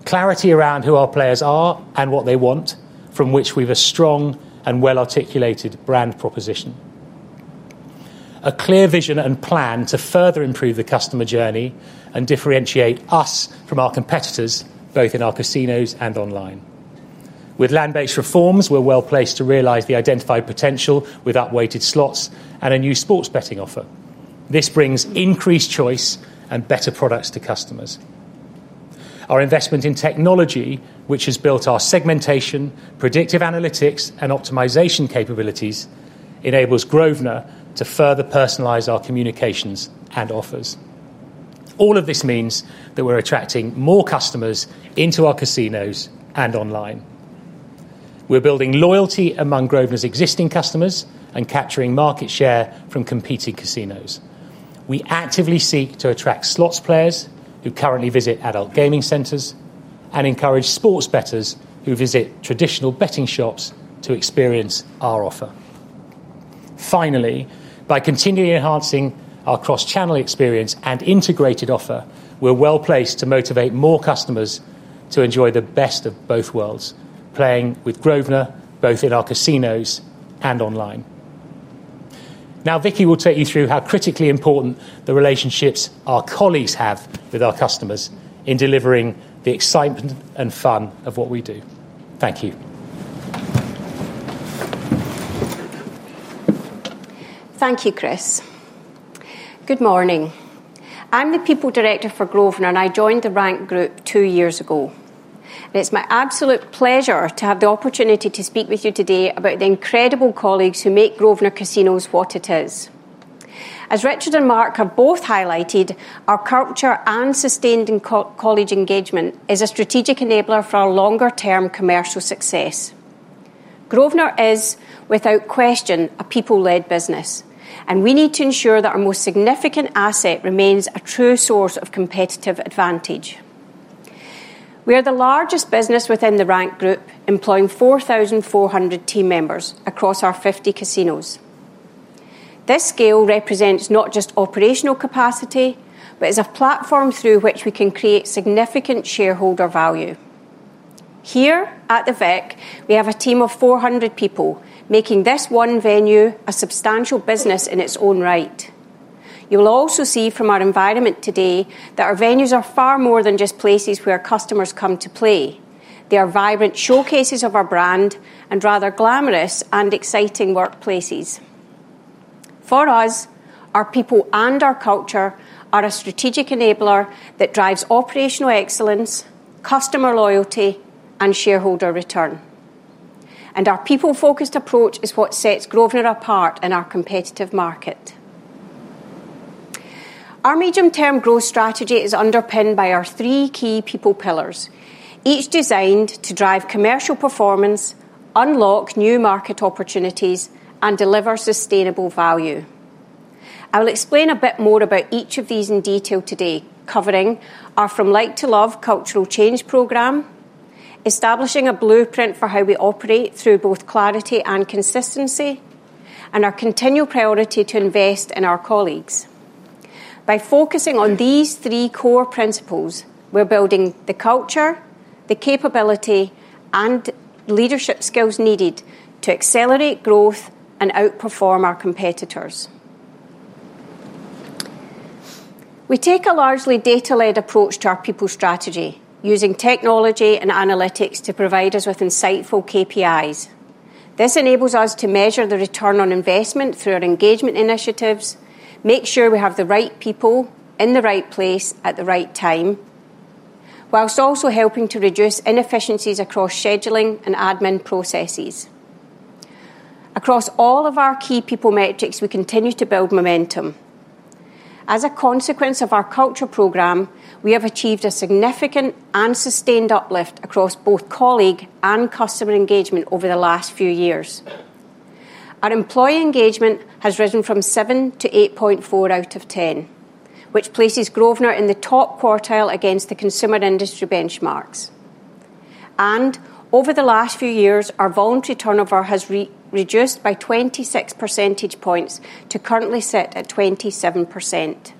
clarity around who our players are and what they want, from which we have a strong and well-articulated brand proposition, a clear vision and plan to further improve the customer journey and differentiate us from our competitors, both in our casinos and online. With land-based reforms, we're well placed to realize the identified potential with upweighted slots and a new sports betting offer. This brings increased choice and better products to customers. Our investment in technology, which has built our segmentation, predictive analytics, and optimization capabilities, enables Grosvenor to further personalize our communications and offers. All of this means that we're attracting more customers into our casinos and online. We're building loyalty among Grosvenor's existing customers and capturing market share from competing casinos. We actively seek to attract slots players who currently visit adult gaming centers and encourage sports bettors who visit traditional betting shops to experience our offer. Finally, by continually enhancing our cross-channel experience and integrated offer, we're well placed to motivate more customers to enjoy the best of both worlds, playing with Grosvenor both in our casinos and online. Now, Vicki will take you through how critically important the relationships our colleagues have with our customers in delivering the excitement and fun of what we do. Thank you. Thank you, Chris. Good morning. I'm the People Director for Grosvenor, and I The Rank Group plc two years ago. It's my absolute pleasure to have the opportunity to speak with you today about the incredible colleagues who make Grosvenor Casinos what it is. As Richard Harris and Mark Harper have both highlighted, our culture and sustained colleague engagement is a strategic enabler for our longer-term commercial success. Grosvenor is, without question, a people-led business, and we need to ensure that our most significant asset remains a true source of competitive advantage. We are the largest business The Rank Group plc, employing 4,400 team members across our 50 casinos. This scale represents not just operational capacity, but is a platform through which we can create significant shareholder value. Here at the Vic, we have a team of 400 people making this one venue a substantial business in its own right. You'll also see from our environment today that our venues are far more than just places where customers come to play. They are vibrant showcases of our brand and rather glamorous and exciting workplaces. For us, our people and our culture are a strategic enabler that drives operational excellence, customer loyalty, and shareholder return. Our people-focused approach is what sets Grosvenor apart in our competitive market. Our medium-term growth strategy is underpinned by our three key people pillars, each designed to drive commercial performance, unlock new market opportunities, and deliver sustainable value. I will explain a bit more about each of these in detail today, covering our From Like to Love Cultural Change program, establishing a blueprint for how we operate through both clarity and consistency, and our continual priority to invest in our colleagues. By focusing on these three core principles, we're building the culture, the capability, and leadership skills needed to accelerate growth and outperform our competitors. We take a largely data-led approach to our people strategy, using technology and analytics to provide us with insightful KPIs. This enables us to measure the return on investment through our engagement initiatives, make sure we have the right people in the right place at the right time, whilst also helping to reduce inefficiencies across scheduling and admin processes. Across all of our key people metrics, we continue to build momentum. As a consequence of our culture program, we have achieved a significant and sustained uplift across both colleague and customer engagement over the last few years. Our employee engagement has risen from 7 to 8.4 out of 10, which places Grosvenor in the top quartile against the consumer industry benchmarks. Over the last few years, our voluntary turnover has reduced by 26 percentage points to currently sit at 27%.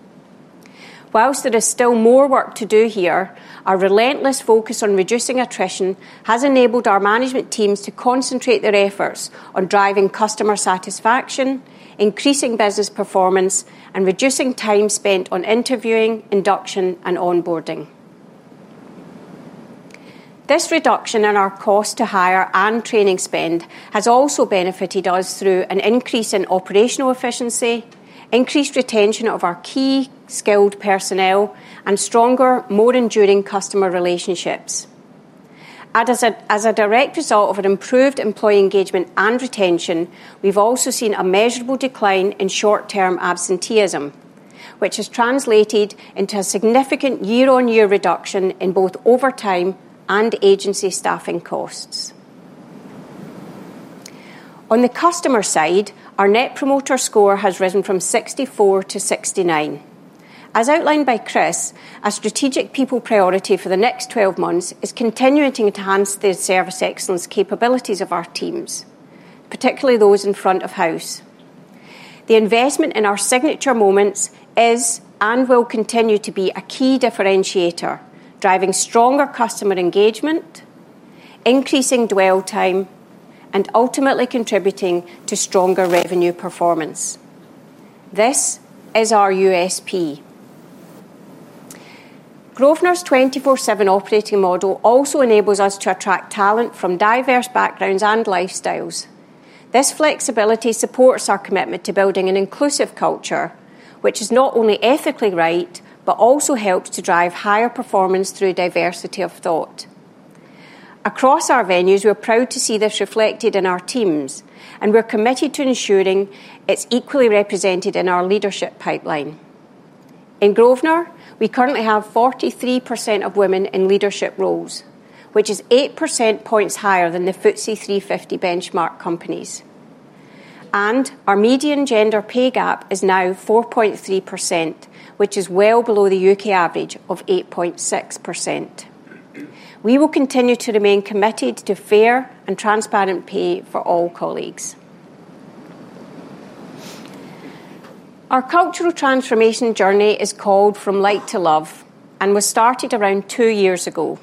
Whilst there is still more work to do here, our relentless focus on reducing attrition has enabled our management teams to concentrate their efforts on driving customer satisfaction, increasing business performance, and reducing time spent on interviewing, induction, and onboarding. This reduction in our cost to hire and training spend has also benefited us through an increase in operational efficiency, increased retention of our key skilled personnel, and stronger, more enduring customer relationships. As a direct result of improved employee engagement and retention, we've also seen a measurable decline in short-term absenteeism, which has translated into a significant year-on-year reduction in both overtime and agency staffing costs. On the customer side, our net promoter score has risen from 64 to 69. As outlined by Chris, a strategic people priority for the next 12 months is continuing to enhance the service excellence capabilities of our teams, particularly those in front of house. The investment in our signature moments is and will continue to be a key differentiator, driving stronger customer engagement, increasing dwell time, and ultimately contributing to stronger revenue performance. This is our USP. Grosvenor's 24/7 operating model also enables us to attract talent from diverse backgrounds and lifestyles. This flexibility supports our commitment to building an inclusive culture, which is not only ethically right but also helps to drive higher performance through diversity of thought. Across our venues, we're proud to see this reflected in our teams, and we're committed to ensuring it's equally represented in our leadership pipeline. In Grosvenor, we currently have 43% of women in leadership roles, which is 8% points higher than the FTSE 350 benchmark companies. Our median gender pay gap is now 4.3%, which is well below the U.K. average of 8.6%. We will continue to remain committed to fair and transparent pay for all colleagues. Our cultural transformation journey is called From Like to Love, and was started around two years ago.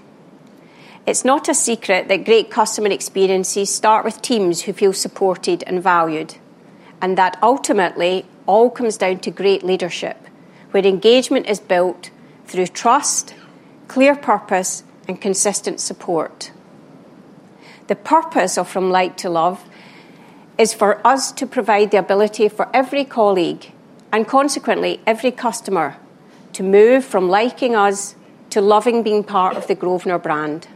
It's not a secret that great customer experiences start with teams who feel supported and valued, and that ultimately all comes down to great leadership, where engagement is built through trust, clear purpose, and consistent support. The purpose of From Like to Love is for us to provide the ability for every colleague and consequently every customer to move from liking us to loving being part of the Grosvenor brand.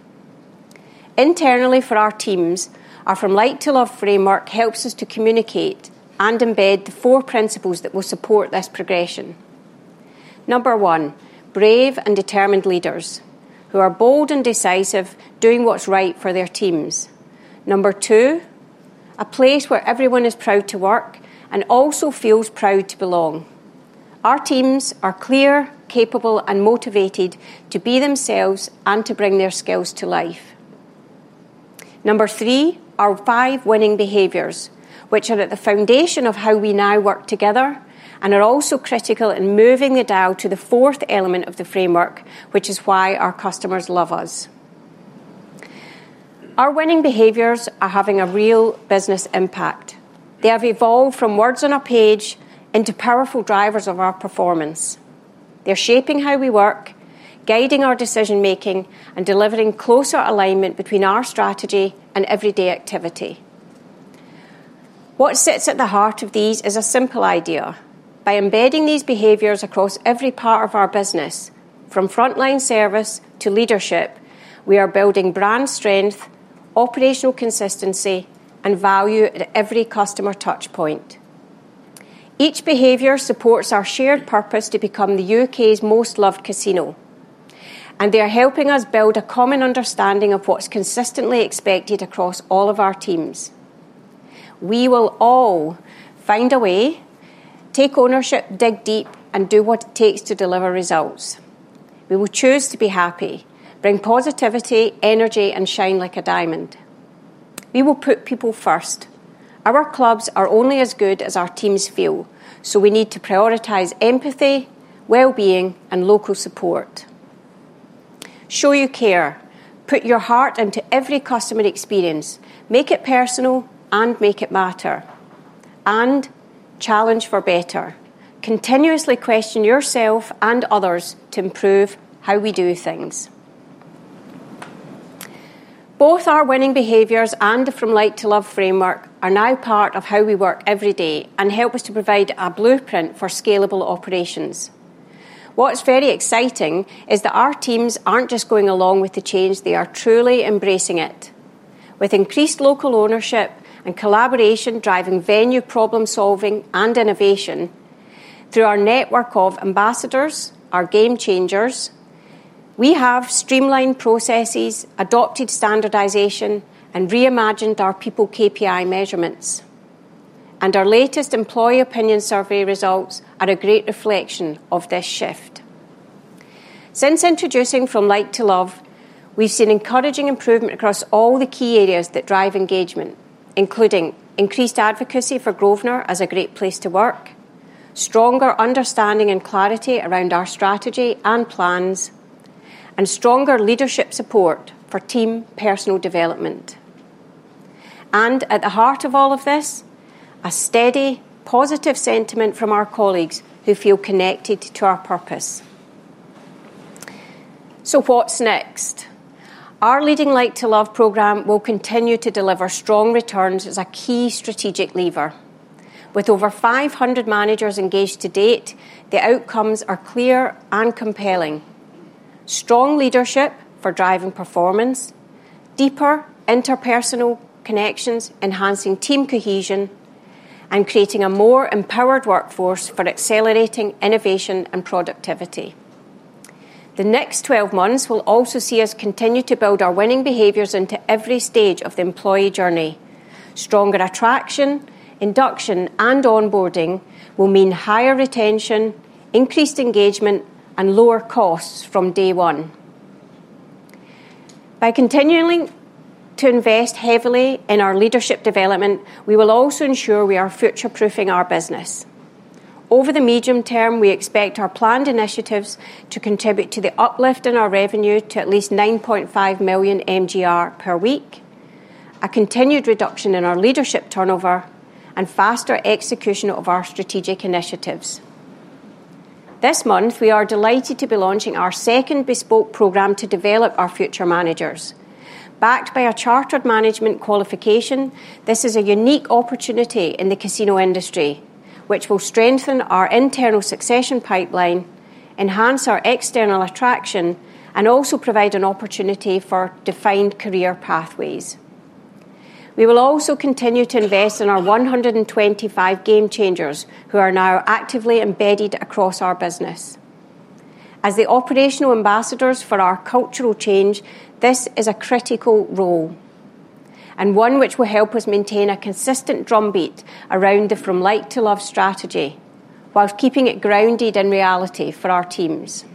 Internally, for our teams, our From Like to Love framework helps us to communicate and embed the four principles that will support this progression. Number one, brave and determined leaders who are bold and decisive, doing what's right for their teams. Number two, a place where everyone is proud to work and also feels proud to belong. Our teams are clear, capable, and motivated to be themselves and to bring their skills to life. Number three, our five winning behaviors, which are at the foundation of how we now work together and are also critical in moving the dial to the fourth element of the framework, which is why our customers love us. Our winning behaviors are having a real business impact. They have evolved from words on a page into powerful drivers of our performance. They're shaping how we work, guiding our decision-making, and delivering closer alignment between our strategy and everyday activity. What sits at the heart of these is a simple idea. By embedding these behaviors across every part of our business, from frontline service to leadership, we are building brand strength, operational consistency, and value at every customer touchpoint. Each behavior supports our shared purpose to become the U.K.'s most loved casino, and they are helping us build a common understanding of what's consistently expected across all of our teams. We will all find a way, take ownership, dig deep, and do what it takes to deliver results. We will choose to be happy, bring positivity, energy, and shine like a diamond. We will put people first. Our clubs are only as good as our teams feel, so we need to prioritize empathy, well-being, and local support. Show you care. Put your heart into every customer experience. Make it personal and make it matter. Challenge for better. Continuously question yourself and others to improve how we do things. Both our winning behaviors and the From Like to Love framework are now part of how we work every day and help us to provide a blueprint for scalable operations. What's very exciting is that our teams aren't just going along with the change, they are truly embracing it. With increased local ownership and collaboration driving venue problem-solving and innovation through our network of ambassadors, our game changers, we have streamlined processes, adopted standardization, and reimagined our people KPI measurements. Our latest employee opinion survey results are a great reflection of this shift. Since introducing From Like to Love, we've seen encouraging improvement across all the key areas that drive engagement, including increased advocacy for Grosvenor as a great place to work, stronger understanding and clarity around our strategy and plans, and stronger leadership support for team personal development. At the heart of all of this, a steady, positive sentiment from our colleagues who feel connected to our purpose. What's next? Our leading Like to Love program will continue to deliver strong returns as a key strategic lever. With over 500 managers engaged to date, the outcomes are clear and compelling: strong leadership for driving performance, deeper interpersonal connections, enhancing team cohesion, and creating a more empowered workforce for accelerating innovation and productivity. The next 12 months will also see us continue to build our winning behaviors into every stage of the employee journey. Stronger attraction, induction, and onboarding will mean higher retention, increased engagement, and lower costs from day one. By continuing to invest heavily in our leadership development, we will also ensure we are future-proofing our business. Over the medium term, we expect our planned initiatives to contribute to the uplift in our revenue to at least 9.5 million NGR per week, a continued reduction in our leadership turnover, and faster execution of our strategic initiatives. This month, we are delighted to be launching our second bespoke program to develop our future managers. Backed by a chartered management qualification, this is a unique opportunity in the casino industry, which will strengthen our internal succession pipeline, enhance our external attraction, and also provide an opportunity for defined career pathways. We will also continue to invest in our 125 game changers who are now actively embedded across our business. As the operational ambassadors for our cultural change, this is a critical role and one which will help us maintain a consistent drumbeat around the From Like to Love strategy, whilst keeping it grounded in reality for our teams.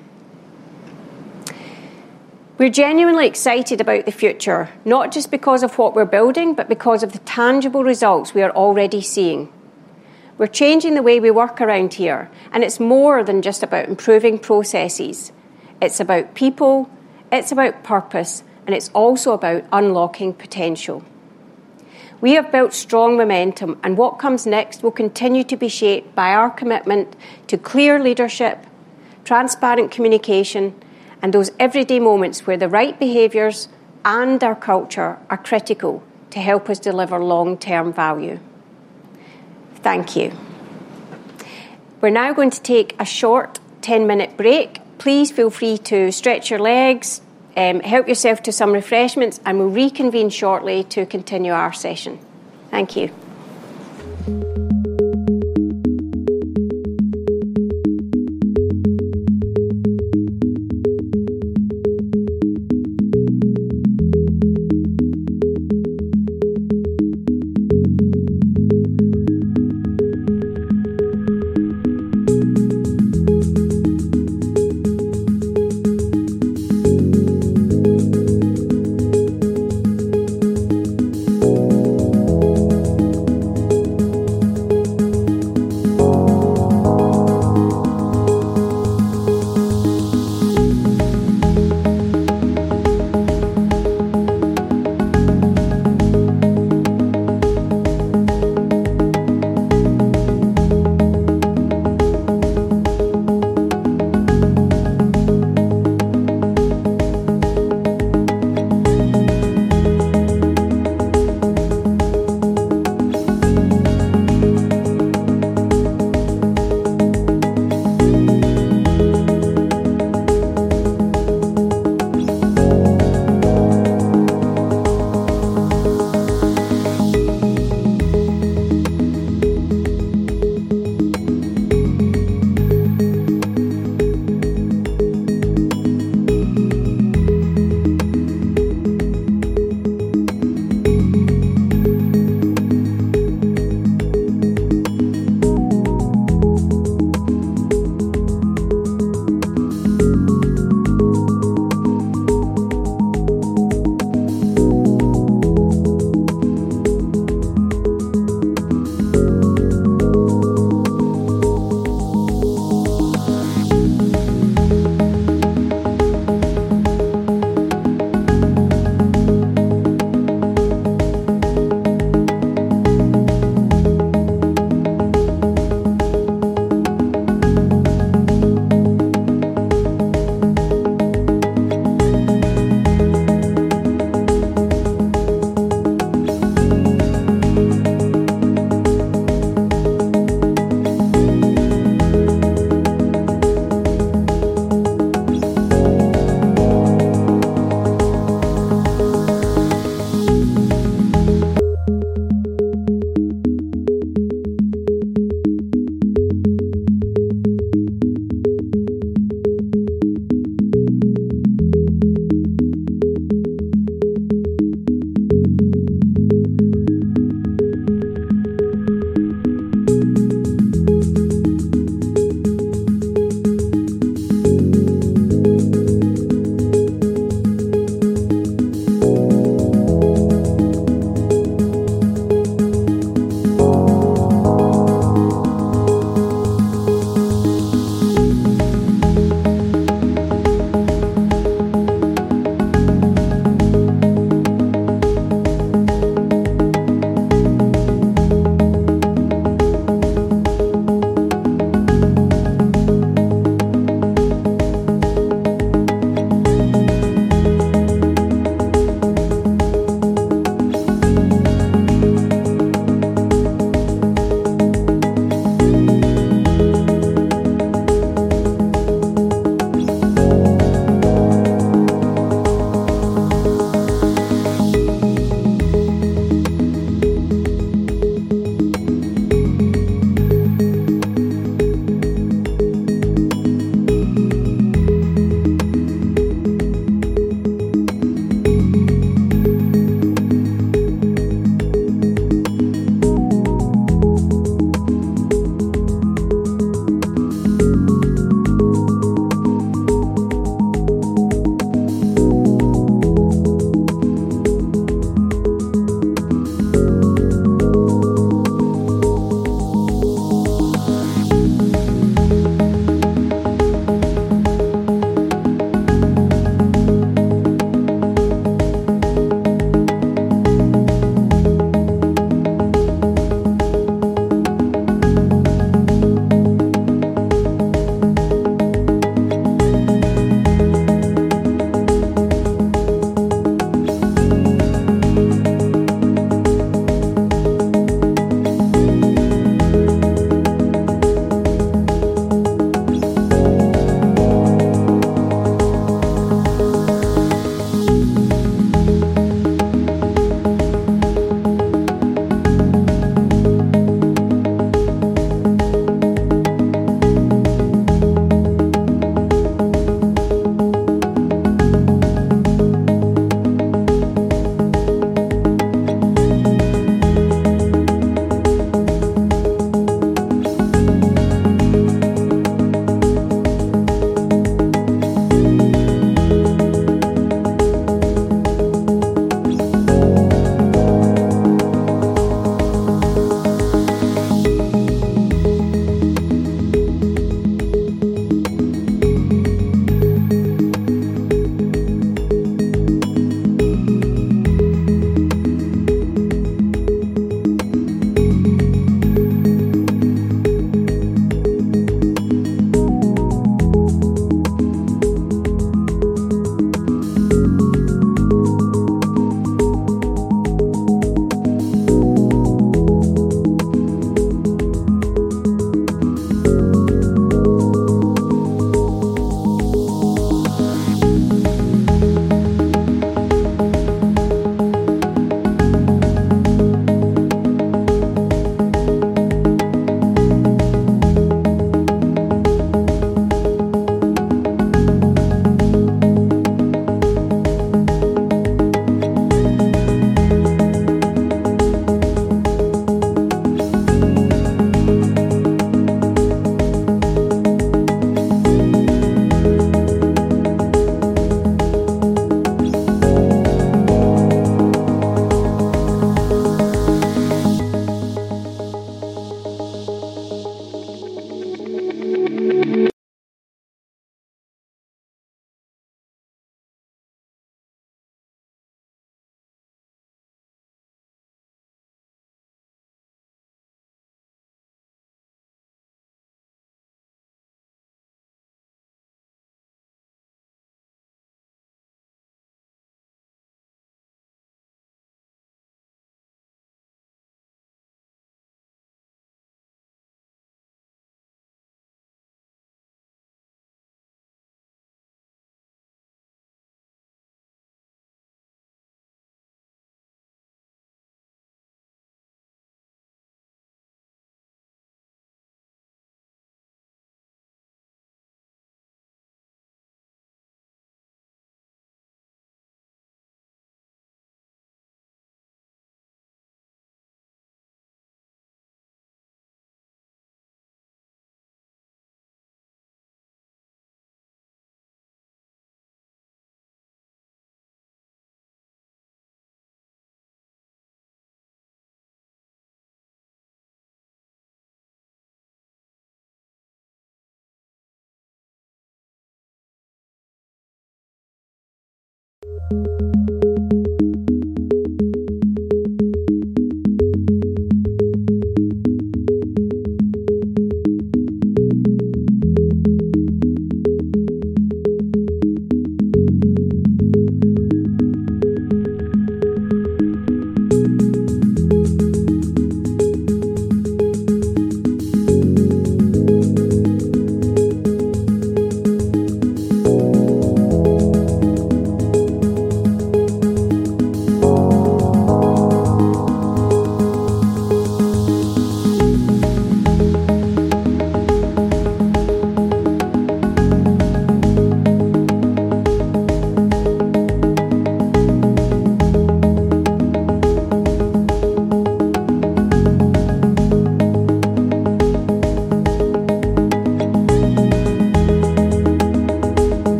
We're genuinely excited about the future, not just because of what we're building, but because of the tangible results we are already seeing. We're changing the way we work around here, and it's more than just about improving processes. It's about people, it's about purpose, and it's also about unlocking potential. We have built strong momentum, and what comes next will continue to be shaped by our commitment to clear leadership, transparent communication, and those everyday moments where the right behaviors and our culture are critical to help us deliver long-term value. Thank you. We're now going to take a short 10-minute break. Please feel free to stretch your legs, help yourself to some refreshments, and we'll reconvene shortly to continue our session. Thank you.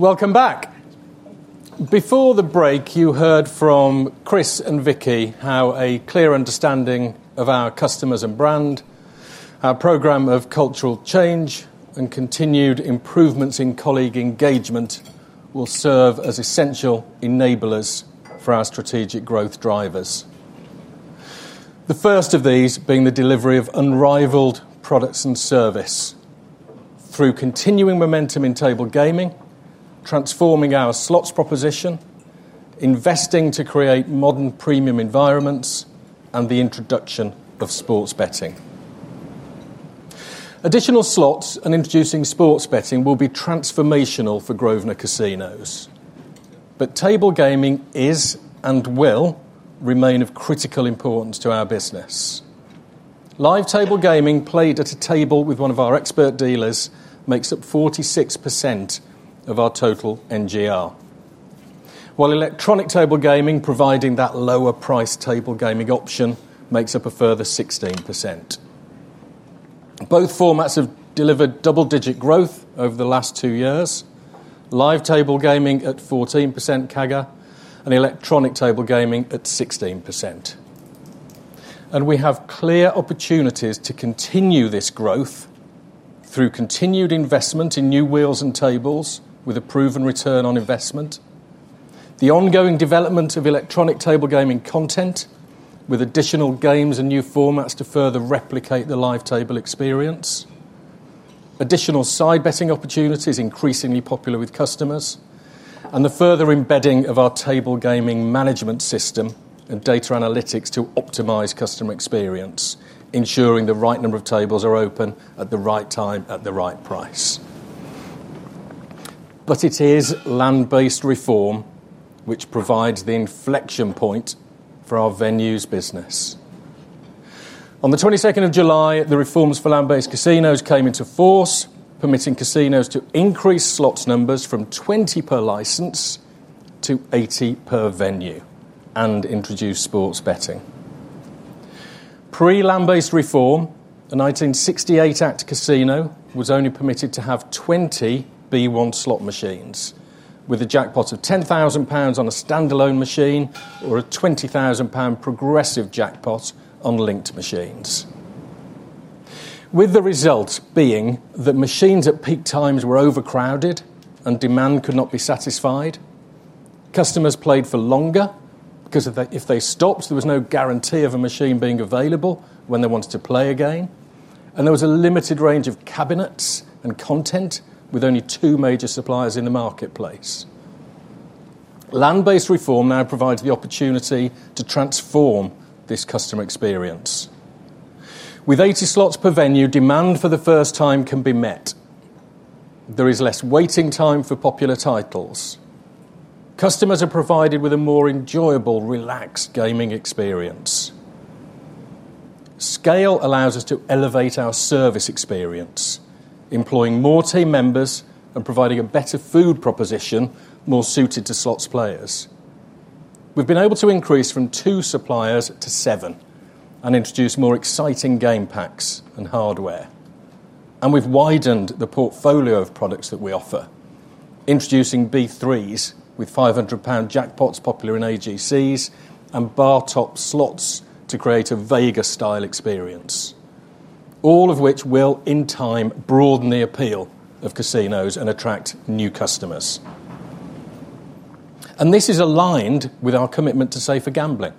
Welcome back. Before the break, you heard from Chris and Vicki how a clear understanding of our customers and brand, our program of cultural change, and continued improvements in colleague engagement will serve as essential enablers for our strategic growth drivers. The first of these being the delivery of unrivaled products and services through continuing momentum in table gaming, transforming our slots proposition, investing to create modern premium environments, and the introduction of sports betting. Additional slots and introducing sports betting will be transformational for Grosvenor Casinos, but table gaming is and will remain of critical importance to our business. Live table gaming played at a table with one of our expert dealers makes up 46% of our total NGR, while electronic table gaming providing that lower-priced table gaming option makes up a further 16%. Both formats have delivered double-digit growth over the last two years: live table gaming at 14% CAGR and electronic table gaming at 16%. We have clear opportunities to continue this growth through continued investment in new wheels and tables with a proven return on investment, the ongoing development of electronic table gaming content with additional games and new formats to further replicate the live table experience, additional side betting opportunities increasingly popular with customers, and the further embedding of our table gaming management system and data analytics to optimize customer experience, ensuring the right number of tables are open at the right time at the right price. It is land-based reform which provides the inflection point for our venues business. On the 22nd of July, the reforms for land-based casinos came into force, permitting casinos to increase slots numbers from 20 per license to 80 per venue and introduce sports betting. Pre-land-based reform, the 1968 Act Casino was only permitted to have 20 B1 slot machines with a jackpot of 10,000 pounds on a standalone machine or a 20,000 pound progressive jackpot on linked machines. The result being that machines at peak times were overcrowded and demand could not be satisfied, customers played for longer because if they stopped, there was no guarantee of a machine being available when they wanted to play a game, and there was a limited range of cabinets and content with only two major suppliers in the marketplace. Land-based reform now provides the opportunity to transform this customer experience. With 80 slots per venue, demand for the first time can be met. There is less waiting time for popular titles. Customers are provided with a more enjoyable, relaxed gaming experience. Scale allows us to elevate our service experience, employing more team members and providing a better food proposition more suited to slots players. We've been able to increase from two suppliers to seven and introduce more exciting game packs and hardware. We've widened the portfolio of products that we offer, introducing B3s with 500 pound jackpots popular in AGCs and bar-top slots to create a Vegas-style experience, all of which will, in time, broaden the appeal of casinos and attract new customers. This is aligned with our commitment to safer gambling.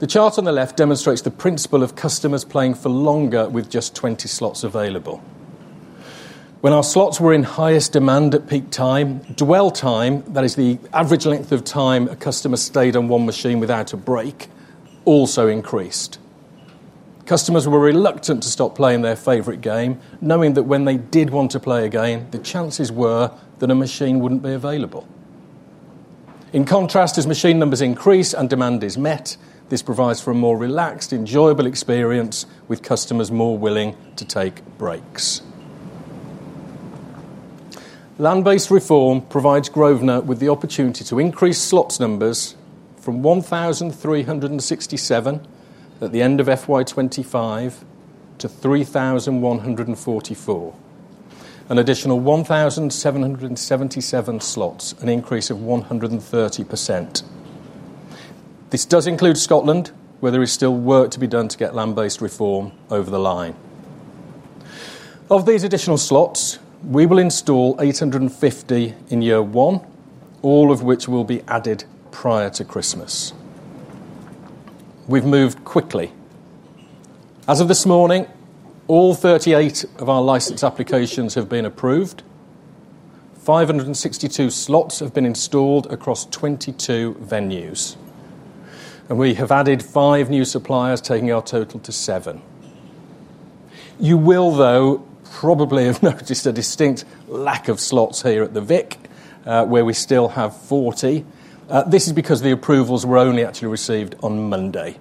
The chart on the left demonstrates the principle of customers playing for longer with just 20 slots available. When our slots were in highest demand at peak time, dwell time, that is, the average length of time a customer stayed on one machine without a break, also increased. Customers were reluctant to stop playing their favorite game, knowing that when they did want to play again, the chances were that a machine wouldn't be available. In contrast, as machine numbers increase and demand is met, this provides for a more relaxed, enjoyable experience with customers more willing to take breaks. Land-based reform provides Grosvenor with the opportunity to increase slots numbers from 1,367 at the end of FY 2025 to 3,144, an additional 1,777 slots, an increase of 130%. This does include Scotland, where there is still work to be done to get land-based reform over the line. Of these additional slots, we will install 850 in year one, all of which will be added prior to Christmas. We've moved quickly. As of this morning, all 38 of our license applications have been approved. 562 slots have been installed across 22 venues. We have added five new suppliers, taking our total to seven. You will, though, probably have noticed a distinct lack of slots here at the Vic, where we still have 40. This is because the approvals were only actually received on Monday.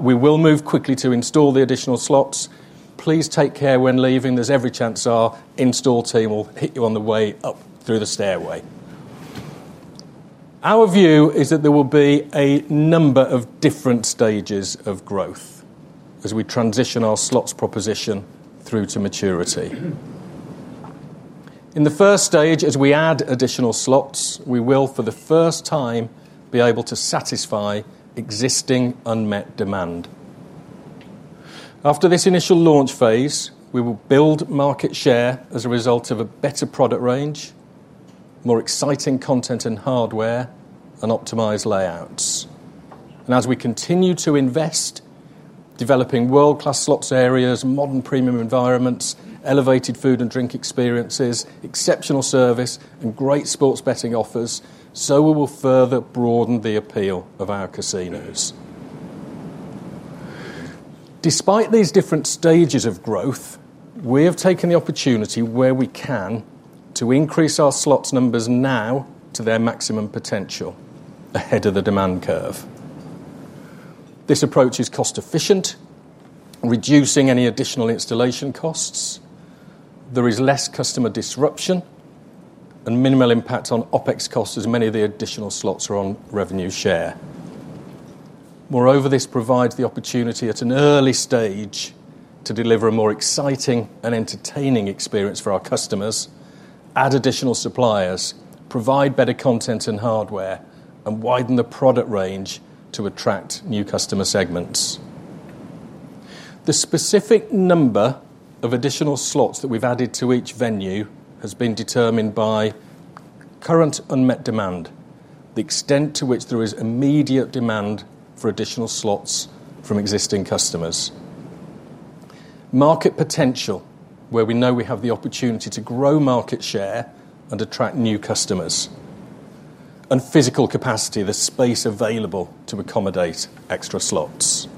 We will move quickly to install the additional slots. Please take care when leaving. There's every chance our install team will hit you on the way up through the stairway. Our view is that there will be a number of different stages of growth as we transition our slots proposition through to maturity. In the first stage, as we add additional slot machines, we will, for the first time, be able to satisfy existing unmet demand. After this initial launch phase, we will build market share as a result of a better product range, more exciting content and hardware, and optimized layouts. As we continue to invest, developing world-class slot machine areas, modern premium environments, elevated food and drink experiences, exceptional service, and great sports betting offers, we will further broaden the appeal of our casinos. Despite these different stages of growth, we have taken the opportunity, where we can, to increase our slot machine numbers now to their maximum potential ahead of the demand curve. This approach is cost-efficient, reducing any additional installation costs. There is less customer disruption and minimal impact on OpEx costs as many of the additional slot machines are on revenue share. Moreover, this provides the opportunity at an early stage to deliver a more exciting and entertaining experience for our customers, add additional suppliers, provide better content and hardware, and widen the product range to attract new customer segments. The specific number of additional slot machines that we've added to each venue has been determined by current unmet demand, the extent to which there is immediate demand for additional slot machines from existing customers, market potential, where we know we have the opportunity to grow market share and attract new customers, and physical capacity, the space available to accommodate extra slot machines.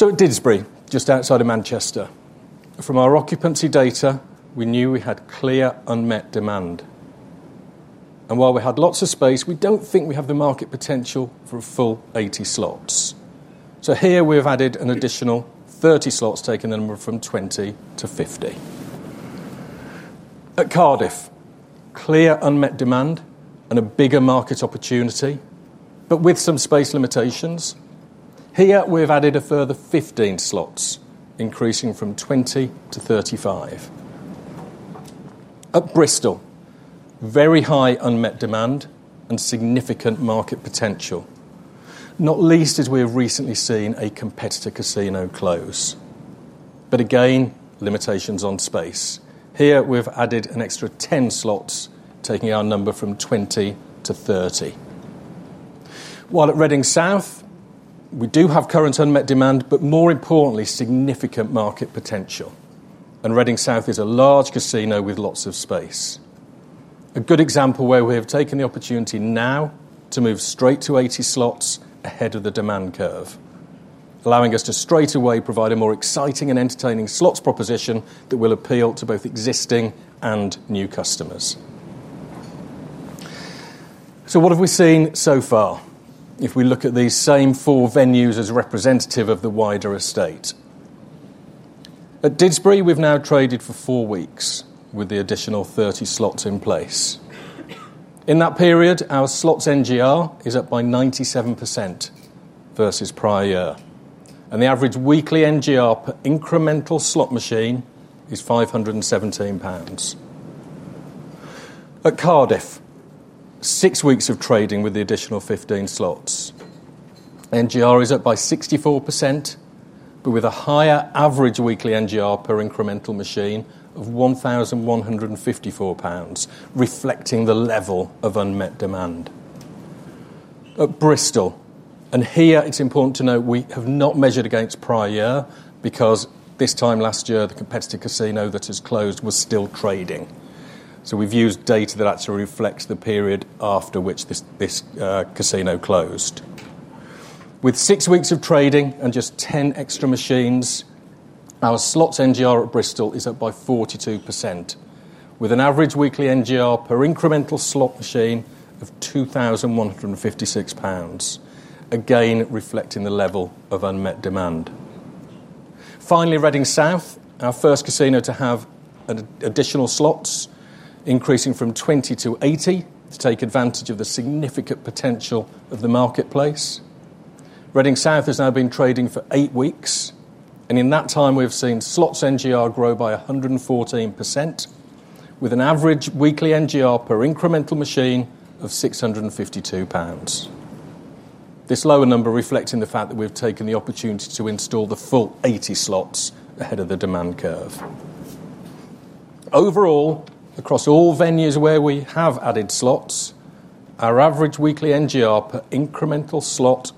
At Didsbury, just outside of Manchester, from our occupancy data, we knew we had clear unmet demand. While we had lots of space, we don't think we have the market potential for a full 80 slot machines. Here, we have added an additional 30 slot machines, taking the number from 20 to 50. At Cardiff, clear unmet demand and a bigger market opportunity, but with some space limitations. Here, we have added a further 15 slot machines, increasing from 20 to 35. At Bristol, very high unmet demand and significant market potential, not least as we have recently seen a competitor casino close. Again, limitations on space. Here, we have added an extra 10 slot machines, taking our number from 20 to 30. At Reading South, we do have current unmet demand, but more importantly, significant market potential. Reading South is a large casino with lots of space. A good example where we have taken the opportunity now to move straight to 80 slots ahead of the demand curve, allowing us to straight away provide a more exciting and entertaining slots proposition that will appeal to both existing and new customers. What have we seen so far if we look at these same four venues as representative of the wider estate? At Didsbury, we've now traded for four weeks with the additional 30 slots in place. In that period, our slots NGR is up by 97% versus prior year, and the average weekly NGR per incremental slot machine is 517 pounds. At Cardiff, six weeks of trading with the additional 15 slots, NGR is up by 64%, with a higher average weekly NGR per incremental machine of 1,154 pounds, reflecting the level of unmet demand. At Bristol, and here it's important to note we have not measured against prior year because this time last year, the competitor casino that has closed was still trading. We've used data that actually reflects the period after which this casino closed. With six weeks of trading and just 10 extra machines, our slots NGR at Bristol is up by 42%, with an average weekly NGR per incremental slot machine of 2,156 pounds, again reflecting the level of unmet demand. Finally, Reading South, our first casino to have additional slots, increasing from 20 to 80 to take advantage of the significant potential of the marketplace. Reading South has now been trading for eight weeks, and in that time, we have seen slots NGR grow by 114%, with an average weekly NGR per incremental machine of 652 pounds. This lower number reflects the fact that we've taken the opportunity to install the full 80 slots ahead of the demand curve. Overall, across all venues where we have added slots, our average weekly NGR per incremental slot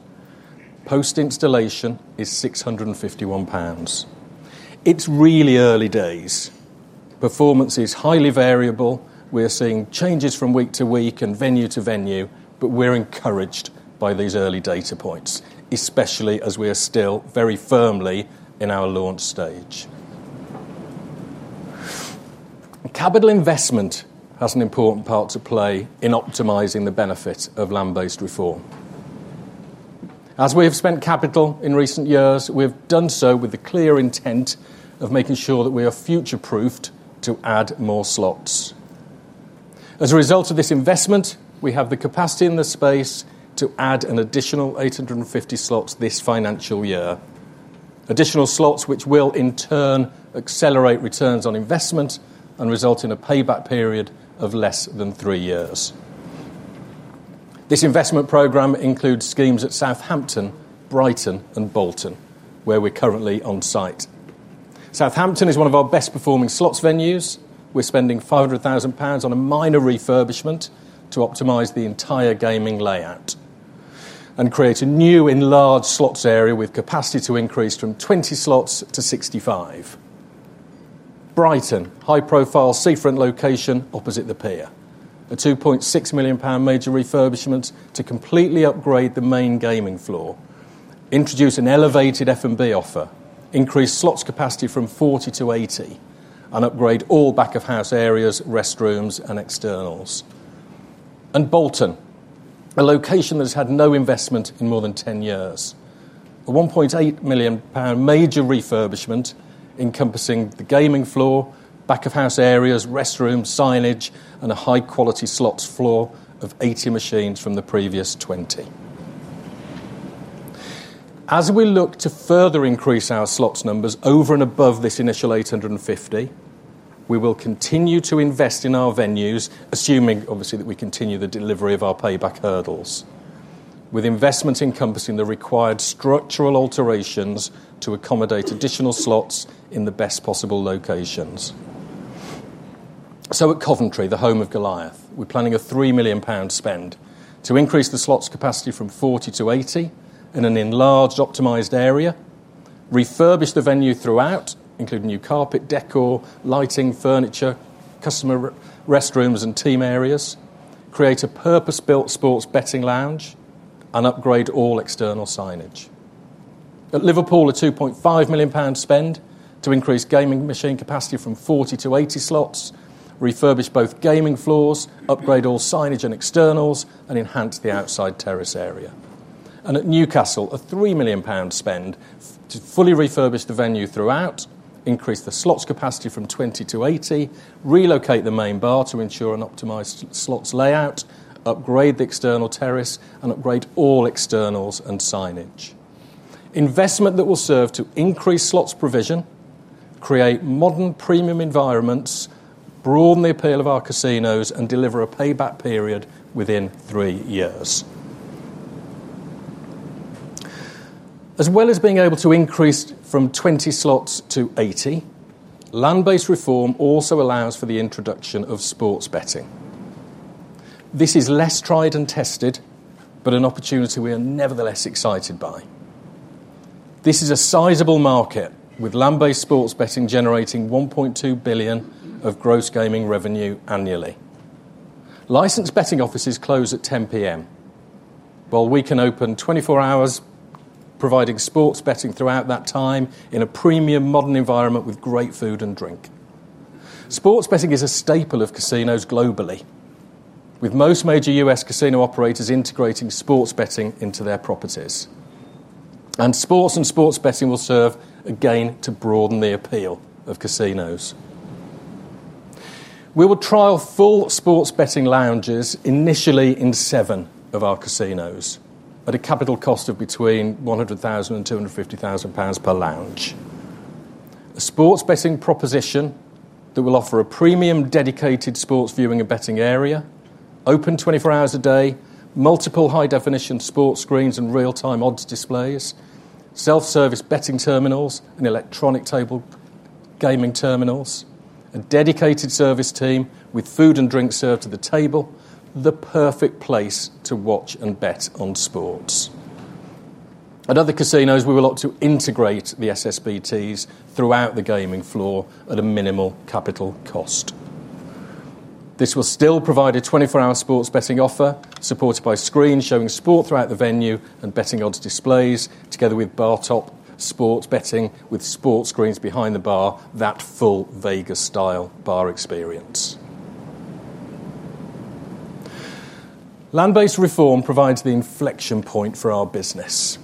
post-installation is 651 pounds. It's really early days. Performance is highly variable. We are seeing changes from week to week and venue to venue, but we're encouraged by these early data points, especially as we are still very firmly in our launch stage. Capital investment has an important part to play in optimizing the benefit of land-based reform. As we have spent capital in recent years, we have done so with the clear intent of making sure that we are future-proofed to add more slots. As a result of this investment, we have the capacity in the space to add an additional 850 slots this financial year, additional slots which will, in turn, accelerate returns on investment and result in a payback period of less than three years. This investment program includes schemes at Southampton, Brighton, and Bolton, where we're currently on site. Southampton is one of our best-performing slots venues. We're spending 500,000 pounds on a minor refurbishment to optimize the entire gaming layout and create a new enlarged slots area with capacity to increase from 20 slots to 65. Brighton, high-profile seafront location opposite the pier, a 2.6 million pound major refurbishment to completely upgrade the main gaming floor, introduce an elevated F&B offer, increase slots capacity from 40 to 80, and upgrade all back-of-house areas, restrooms, and externals. Bolton, a location that has had no investment in more than 10 years, a 1.8 million pound major refurbishment encompassing the gaming floor, back-of-house areas, restrooms, signage, and a high-quality slots floor of 80 machines from the previous 20. As we look to further increase our slots numbers over and above this initial 850, we will continue to invest in our venues, assuming, obviously, that we continue the delivery of our payback hurdles, with investment encompassing the required structural alterations to accommodate additional slots in the best possible locations. At Coventry, the home of Goliath, we're planning a 3 million pound spend to increase the slots capacity from 40 to 80 in an enlarged optimized area, refurbish the venue throughout, including new carpet, decor, lighting, furniture, customer restrooms, and team areas, create a purpose-built sports betting lounge, and upgrade all external signage. At Liverpool, a 2.5 million pound spend to increase gaming machine capacity from 40 to 80 slots, refurbish both gaming floors, upgrade all signage and externals, and enhance the outside terrace area. At Newcastle, a 3 million pound spend to fully refurbish the venue throughout, increase the slots capacity from 20 to 80, relocate the main bar to ensure an optimized slots layout, upgrade the external terrace, and upgrade all externals and signage. Investment that will serve to increase slots provision, create modern premium environments, broaden the appeal of our casinos, and deliver a payback period within three years. As well as being able to increase from 20 slot machines to 80, land-based gaming reforms also allow for the introduction of sports betting. This is less tried and tested, but an opportunity we are nevertheless excited by. This is a sizable market with land-based sports betting generating 1.2 billion of gross gaming revenue annually. Licensed betting offices close at 10:00 P.M., while we can open 24 hours, providing sports betting throughout that time in a premium modern environment with great food and drink. Sports betting is a staple of casinos globally, with most major U.S. casino operators integrating sports betting into their properties. Sports and sports betting will serve again to broaden the appeal of casinos. We will trial full sports betting lounges initially in seven of our casinos at a capital cost of between 100,000 and 250,000 pounds per lounge. A sports betting proposition that will offer a premium dedicated sports viewing and betting area, open 24 hours a day, multiple high-definition sports screens and real-time odds displays, self-service betting terminals, and electronic table gaming terminals, a dedicated service team with food and drinks served at the table, the perfect place to watch and bet on sports. At other casinos, we will opt to integrate the SSBTs throughout the gaming floor at a minimal capital cost. This will still provide a 24-hour sports betting offer supported by screens showing sport throughout the venue and betting odds displays, together with bar-top sports betting with sports screens behind the bar, that full Vegas-style bar experience. Land-based gaming reforms provide the inflection point for our business.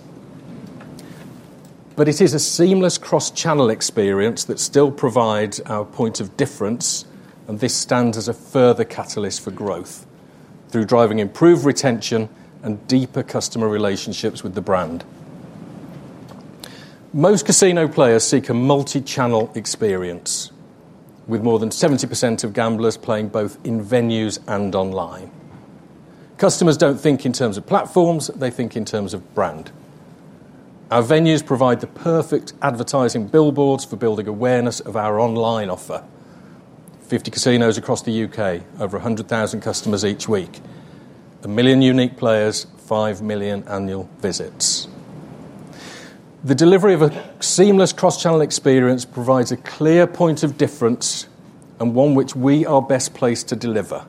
It is a seamless cross-channel engagement experience that still provides our point of difference, and this stands as a further catalyst for growth through driving improved retention and deeper customer relationships with the brand. Most casino players seek a multi-channel experience, with more than 70% of gamblers playing both in venues and online. Customers don't think in terms of platforms; they think in terms of brand. Our venues provide the perfect advertising billboards for building awareness of our online offer. 50 casinos across the U.K., over 100,000 customers each week, a million unique players, 5 million annual visits. The delivery of a seamless cross-channel engagement experience provides a clear point of difference and one which we are best placed to deliver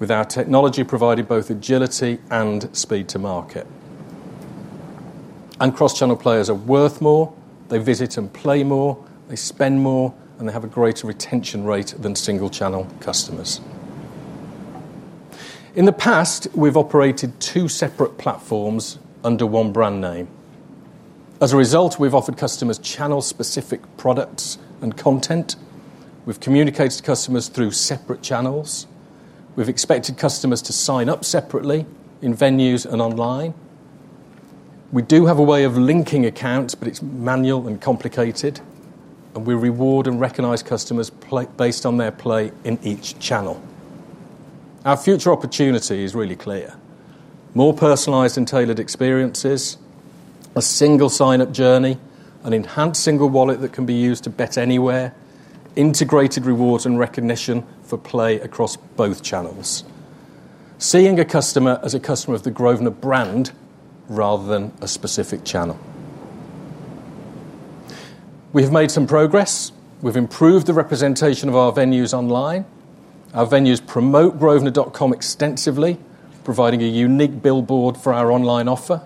with our technology providing both agility and speed to market. Cross-channel players are worth more. They visit and play more, spend more, and have a greater retention rate than single-channel customers. In the past, we've operated two separate platforms under one brand name. As a result, we've offered customers channel-specific products and content, communicated to customers through separate channels, and expected customers to sign up separately in venues and online. We do have a way of linking accounts, but it's manual and complicated. We reward and recognize customers based on their play in each channel. Our future opportunity is really clear: more personalized and tailored experiences, a single sign-up journey, an enhanced single wallet that can be used to bet anywhere, integrated rewards and recognition for play across both channels, seeing a customer as a customer of the Grosvenor brand rather than a specific channel. We have made some progress. We've improved the representation of our venues online. Our venues promote grosvenor.com extensively, providing a unique billboard for our online offer,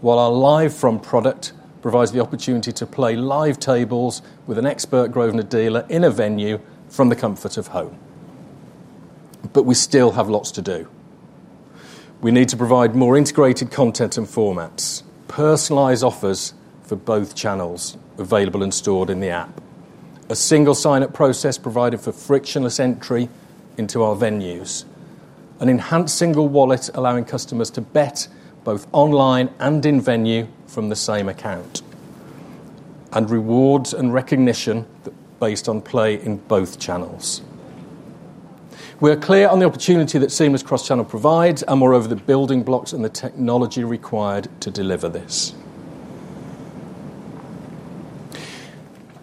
while our Live From product provides the opportunity to play live tables with an expert Grosvenor dealer in a venue from the comfort of home. We still have lots to do. We need to provide more integrated content and formats, personalized offers for both channels available and stored in the app, a single sign-up process provided for frictionless entry into our venues, an enhanced single wallet allowing customers to bet both online and in venue from the same account, and rewards and recognition based on play in both channels. We are clear on the opportunity that seamless cross-channel provides and, moreover, the building blocks and the technology required to deliver this.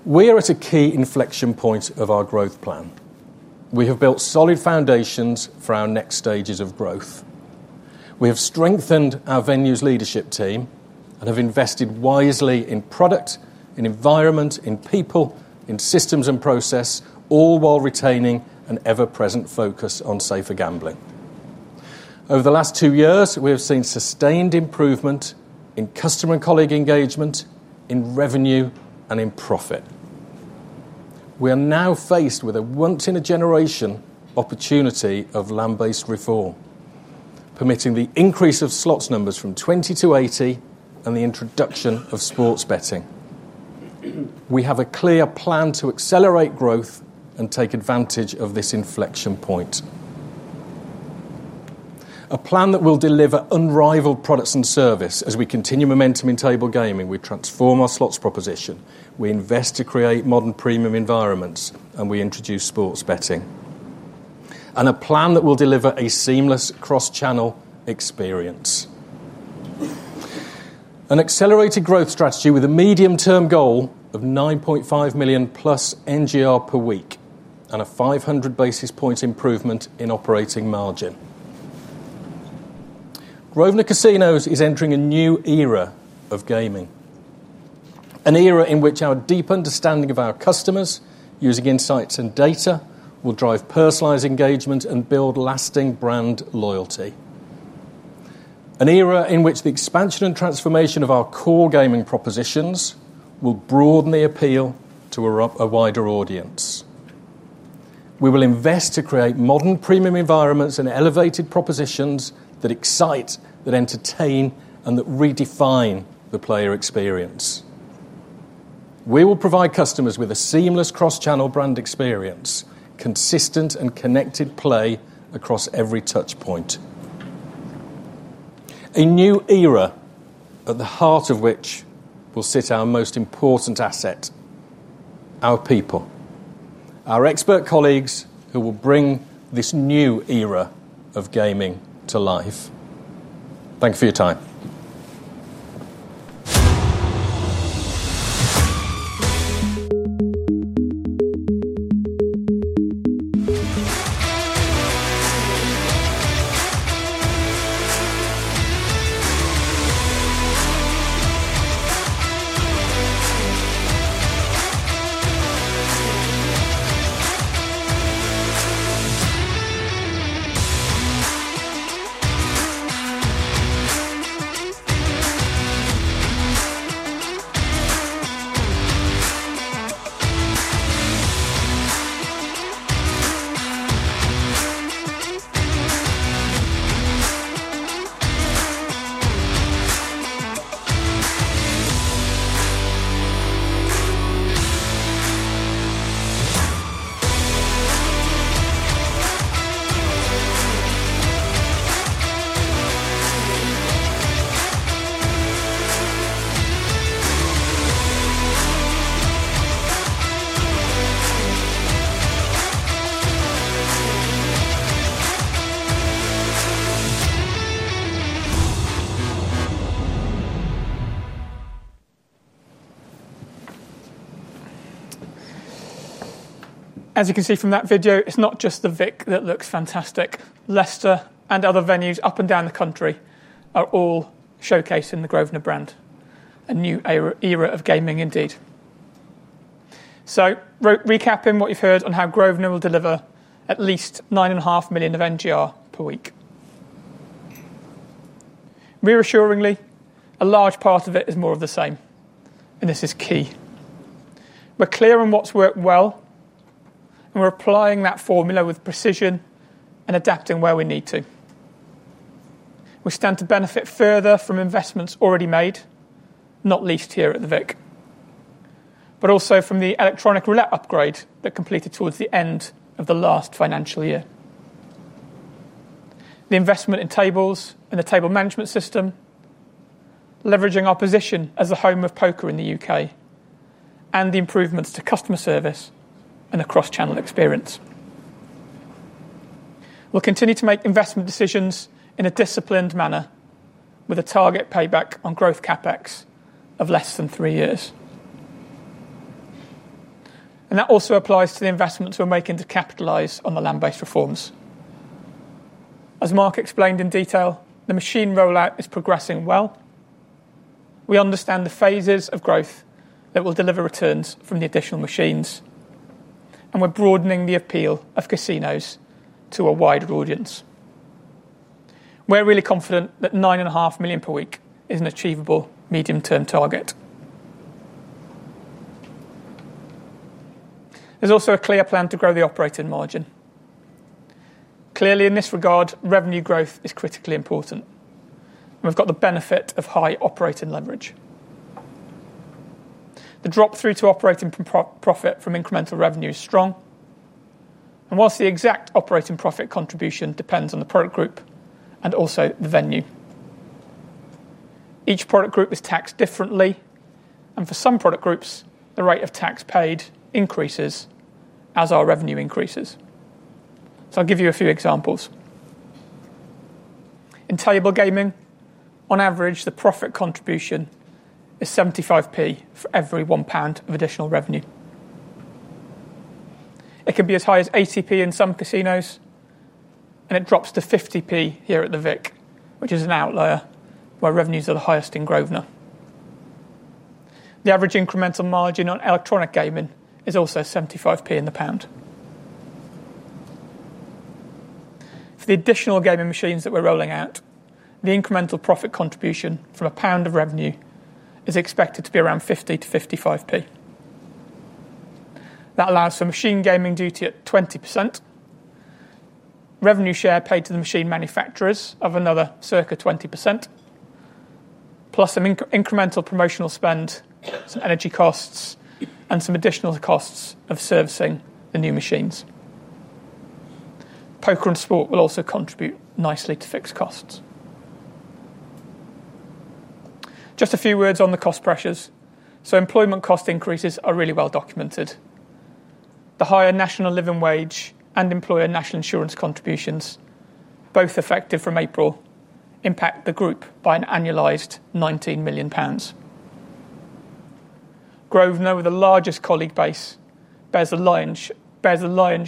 We are at a key inflection point of our growth plan. We have built solid foundations for our next stages of growth. We have strengthened our venues' leadership team and have invested wisely in product, in environment, in people, in systems, and process, all while retaining an ever-present focus on safer gambling. Over the last two years, we have seen sustained improvement in customer and colleague engagement, in revenue, and in profit. We are now faced with a once-in-a-generation opportunity of land-based reform, permitting the increase of slot machine numbers from 20 to 80 and the introduction of sports betting. We have a clear plan to accelerate growth and take advantage of this inflection point, a plan that will deliver unrivaled products and services as we continue momentum in table gaming. We transform our slots proposition. We invest to create modern premium environments, and we introduce sports betting, and a plan that will deliver a seamless cross-channel experience. An accelerated growth strategy with a medium-term goal of 9.5 million plus NGR per week and a 500 basis point improvement in operating margin. Grosvenor Casinos is entering a new era of gaming, an era in which our deep understanding of our customers using insights and data will drive personalized engagement and build lasting brand loyalty, an era in which the expansion and transformation of our core gaming propositions will broaden the appeal to a wider audience. We will invest to create modern premium environments and elevated propositions that excite, that entertain, and that redefine the player experience. We will provide customers with a seamless cross-channel brand experience, consistent and connected play across every touchpoint, a new era at the heart of which will sit our most important asset, our people, our expert colleagues who will bring this new era of gaming to life. Thank you for your time. As you can see from that video, it's not just the Vic that looks fantastic. Leicester and other venues up and down the country are all showcasing the Grosvenor brand, a new era of gaming indeed. Recapping what you've heard on how Grosvenor will deliver at least 9.5 million of NGR per week. Reassuringly, a large part of it is more of the same, and this is key. We're clear on what's worked well, and we're applying that formula with precision and adapting where we need to. We stand to benefit further from investments already made, not least here at the Vic, but also from the electronic roulette upgrade that completed towards the end of the last financial year, the investment in tables and the table management system, leveraging our position as the home of poker in the U.K., and the improvements to customer service and the cross-channel experience. We'll continue to make investment decisions in a disciplined manner with a target payback on growth CapEx of less than three years. That also applies to the investments we're making to capitalize on the land-based gaming reforms. As Mark explained in detail, the casino machine rollout is progressing well. We understand the phases of growth that will deliver returns from the additional machines, and we're broadening the appeal of casinos to a wider audience. We're really confident that 9.5 million per week is an achievable medium-term target. There's also a clear plan to grow the operating margin. Clearly, in this regard, revenue growth is critically important, and we've got the benefit of high operating leverage. The drop through to operating profit from incremental revenue is strong, and whilst the exact operating profit contribution depends on the product group and also the venue, each product group is taxed differently. For some product groups, the rate of tax paid increases as our revenue increases. I'll give you a few examples. In table gaming, on average, the profit contribution is 0.75 for every 1 pound of additional revenue. It can be as high as 0.80 in some casinos, and it drops to 0.50 here at the Vic, which is an outlier where revenues are the highest in Grosvenor. The average incremental margin on electronic gaming is also 0.75 in the pound. For the additional gaming machines that we're rolling out, the incremental profit contribution from a pound of revenue is expected to be around 0.50-0.55. That allows for machine gaming duty at 20%, revenue share paid to the machine manufacturers of another circa 20%, plus some incremental promotional spend, some energy costs, and some additional costs of servicing the new machines. Poker and sports betting will also contribute nicely to fixed costs. Just a few words on the cost pressures. Employment cost increases are really well documented. The higher national living wage and employer national insurance contributions, both effective from April, impact the group by an annualized 19 million pounds. Grosvenor, with the largest colleague base, bears a lion's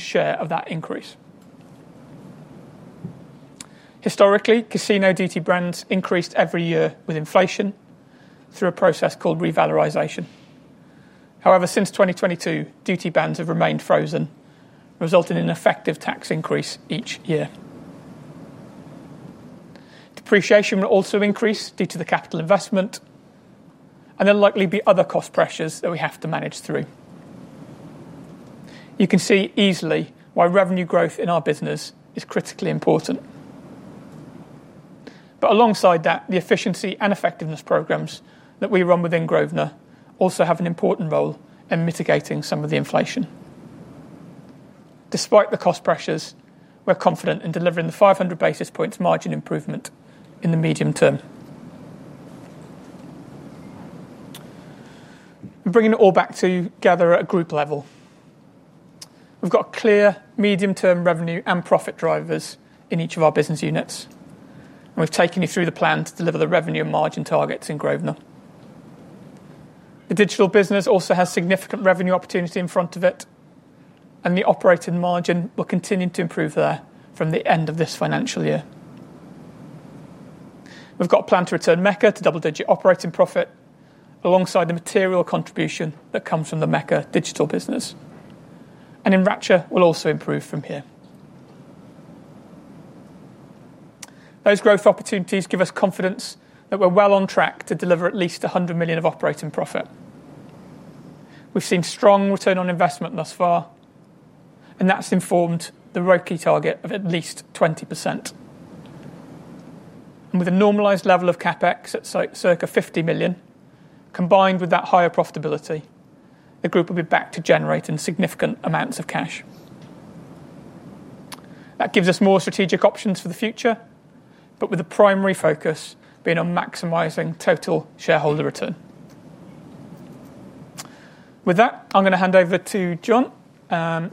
share of that increase. Historically, casino duty bands increased every year with inflation through a process called revalorisation. However, since 2022, duty bands have remained frozen, resulting in an effective tax increase each year. Depreciation will also increase due to the capital investment, and there will likely be other cost pressures that we have to manage through. You can see easily why revenue growth in our business is critically important. Alongside that, the efficiency and effectiveness programs that we run within Grosvenor also have an important role in mitigating some of the inflation. Despite the cost pressures, we're confident in delivering the 500 basis points margin improvement in the medium term. Bringing it all back together at a group level, we've got clear medium-term revenue and profit drivers in each of our business units, and we've taken you through the plan to deliver the revenue and margin targets in Grosvenor. The digital business also has significant revenue opportunity in front of it, and the operating margin will continue to improve there from the end of this financial year. We've got a plan to return Mecca to double-digit operating profit alongside the material contribution that comes from the Mecca digital business. In Rapture, we'll also improve from here. Those growth opportunities give us confidence that we're well on track to deliver at least 100 million of operating profit. We've seen strong return on investment thus far, and that's informed the ROI target of at least 20%. With a normalized level of CapEx at circa 50 million, combined with that higher profitability, the group will be back to generating significant amounts of cash. That gives us more strategic options for the future, with the primary focus being on maximizing total shareholder return. With that, I'm going to hand over to John,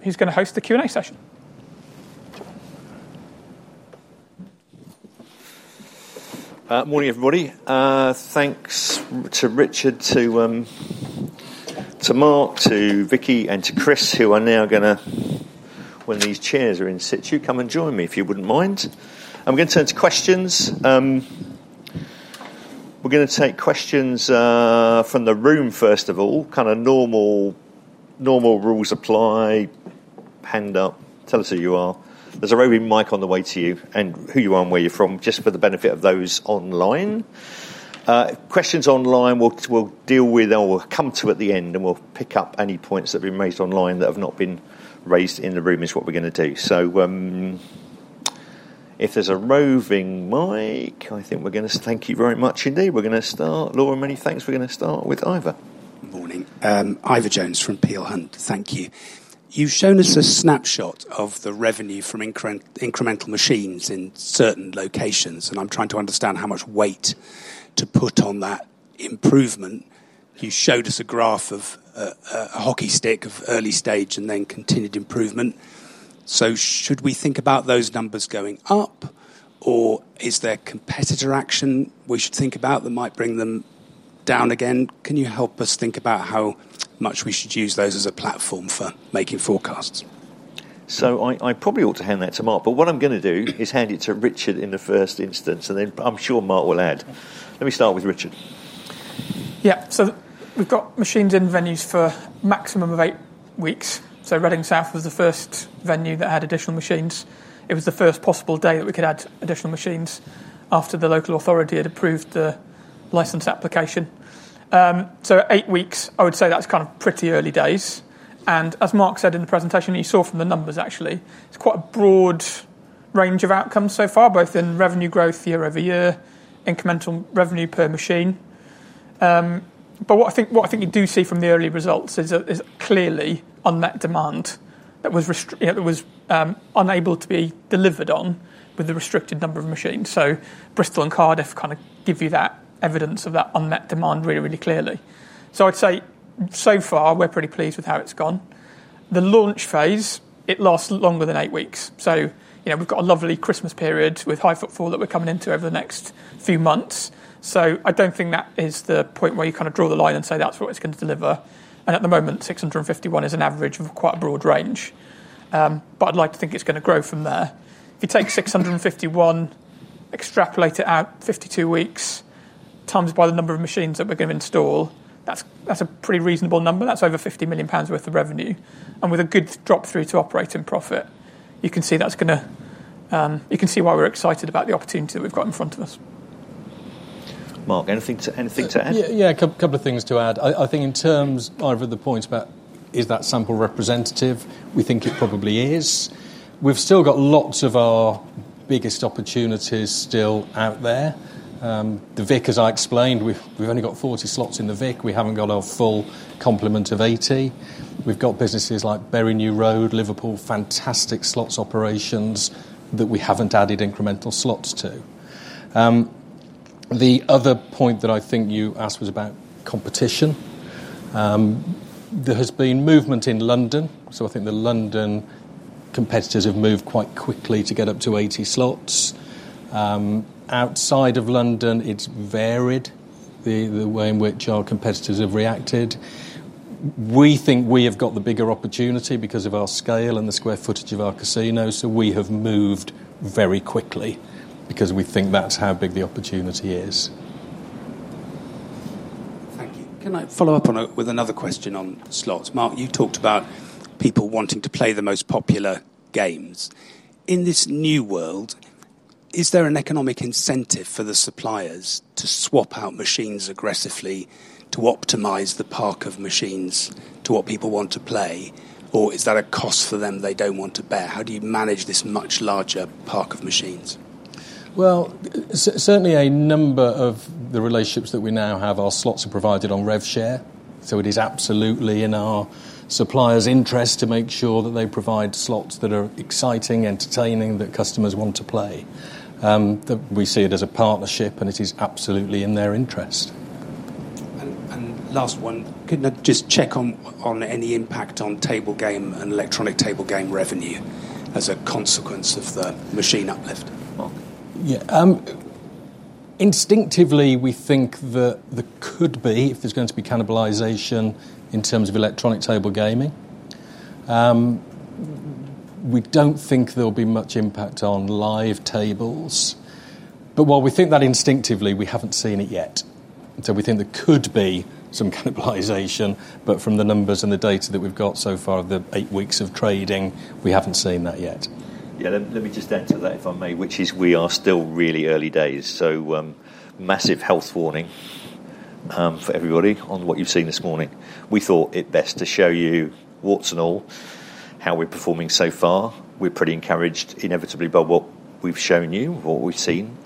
who's going to host the Q&A session. Morning, everybody. Thanks to Richard, to Mark, to Vicki, and to Chris, who are now going to, when these chairs are in situ, come and join me if you wouldn't mind. I'm going to turn to questions. We're going to take questions from the room, first of all. Normal rules apply. Hand up. Tell us who you are. There's a roving mic on the way to you and who you are and where you're from, just for the benefit of those online. Questions online we'll deal with or we'll come to at the end, and we'll pick up any points that have been raised online that have not been raised in the room. If there's a roving mic, thank you very much indeed. We're going to start. Laura, many thanks. We're going to start with Iva. Morning. Iva Jones from Peel Hunt, thank you. You've shown us a snapshot of the revenue from incremental machines in certain locations, and I'm trying to understand how much weight to put on that improvement. You showed us a graph of a hockey stick of early stage and then continued improvement. Should we think about those numbers going up, or is there competitor action we should think about that might bring them down again? Can you help us think about how much we should use those as a platform for making forecasts? I probably ought to hand that to Mark, but what I'm going to do is hand it to Richard in the first instance, and then I'm sure Mark will add. Let me start with Richard. Yeah. We've got machines in venues for a maximum of eight weeks. Reading South was the first venue that had additional machines. It was the first possible day that we could add additional machines after the local authority had approved the license application. Eight weeks, I would say that's pretty early days. As Mark said in the presentation, you saw from the numbers, actually, it's quite a broad range of outcomes so far, both in revenue year-over-year and incremental revenue per machine. What I think you do see from the early results is clearly unmet demand that was unable to be delivered on with the restricted number of machines. Bristol and Cardiff give you that evidence of that unmet demand really, really clearly. I'd say so far, we're pretty pleased with how it's gone. The launch phase lasts longer than eight weeks. We've got a lovely Christmas period with high footfall that we're coming into over the next few months. I don't think that is the point where you draw the line and say that's what it's going to deliver. At the moment, 651 is an average of quite a broad range. I'd like to think it's going to grow from there. If you take 651, extrapolate it out 52 weeks, times by the number of machines that we're going to install, that's a pretty reasonable number. That's over 50 million pounds worth of revenue. With a good drop through to operating profit, you can see why we're excited about the opportunity that we've got in front of us. Mark, anything to add? Yeah, a couple of things to add. I think in terms of the points about is that sample representative, we think it probably is. We've still got lots of our biggest opportunities still out there. The Vic, as I explained, we've only got 40 slot machines in the Vic. We haven't got our full complement of 80. We've got businesses like Bury New Road, Liverpool, fantastic slot machine operations that we haven't added incremental slot machines to. The other point that I think you asked was about competition. There has been movement in London. I think the London competitors have moved quite quickly to get up to 80 slot machines. Outside of London, it's varied the way in which our competitors have reacted. We think we have got the bigger opportunity because of our scale and the square footage of our casino. We have moved very quickly because we think that's how big the opportunity is. Thank you. Can I follow up with another question on slot machines? Mark, you talked about people wanting to play the most popular games. In this new world, is there an economic incentive for the suppliers to swap out machines aggressively to optimize the park of machines to what people want to play? Or is that a cost for them they don't want to bear? How do you manage this much larger park of machines? A number of the relationships that we now have, our slots are provided on rev share. It is absolutely in our suppliers' interest to make sure that they provide slots that are exciting, entertaining, that customers want to play. We see it as a partnership, and it is absolutely in their interest. Couldn't I just check on any impact on table game and electronic table game revenue as a consequence of the machine uplift? Instinctively, we think that there could be, if there's going to be cannibalization in terms of electronic table gaming, we don't think there'll be much impact on live tables. While we think that instinctively, we haven't seen it yet. We think there could be some cannibalization, but from the numbers and the data that we've got so far of the eight weeks of trading, we haven't seen that yet. Yeah, let me just add to that if I may, which is we are still really early days. A massive health warning for everybody on what you've seen this morning. We thought it best to show you, warts and all, how we're performing so far. We're pretty encouraged, inevitably, by what we've shown you, what we've seen.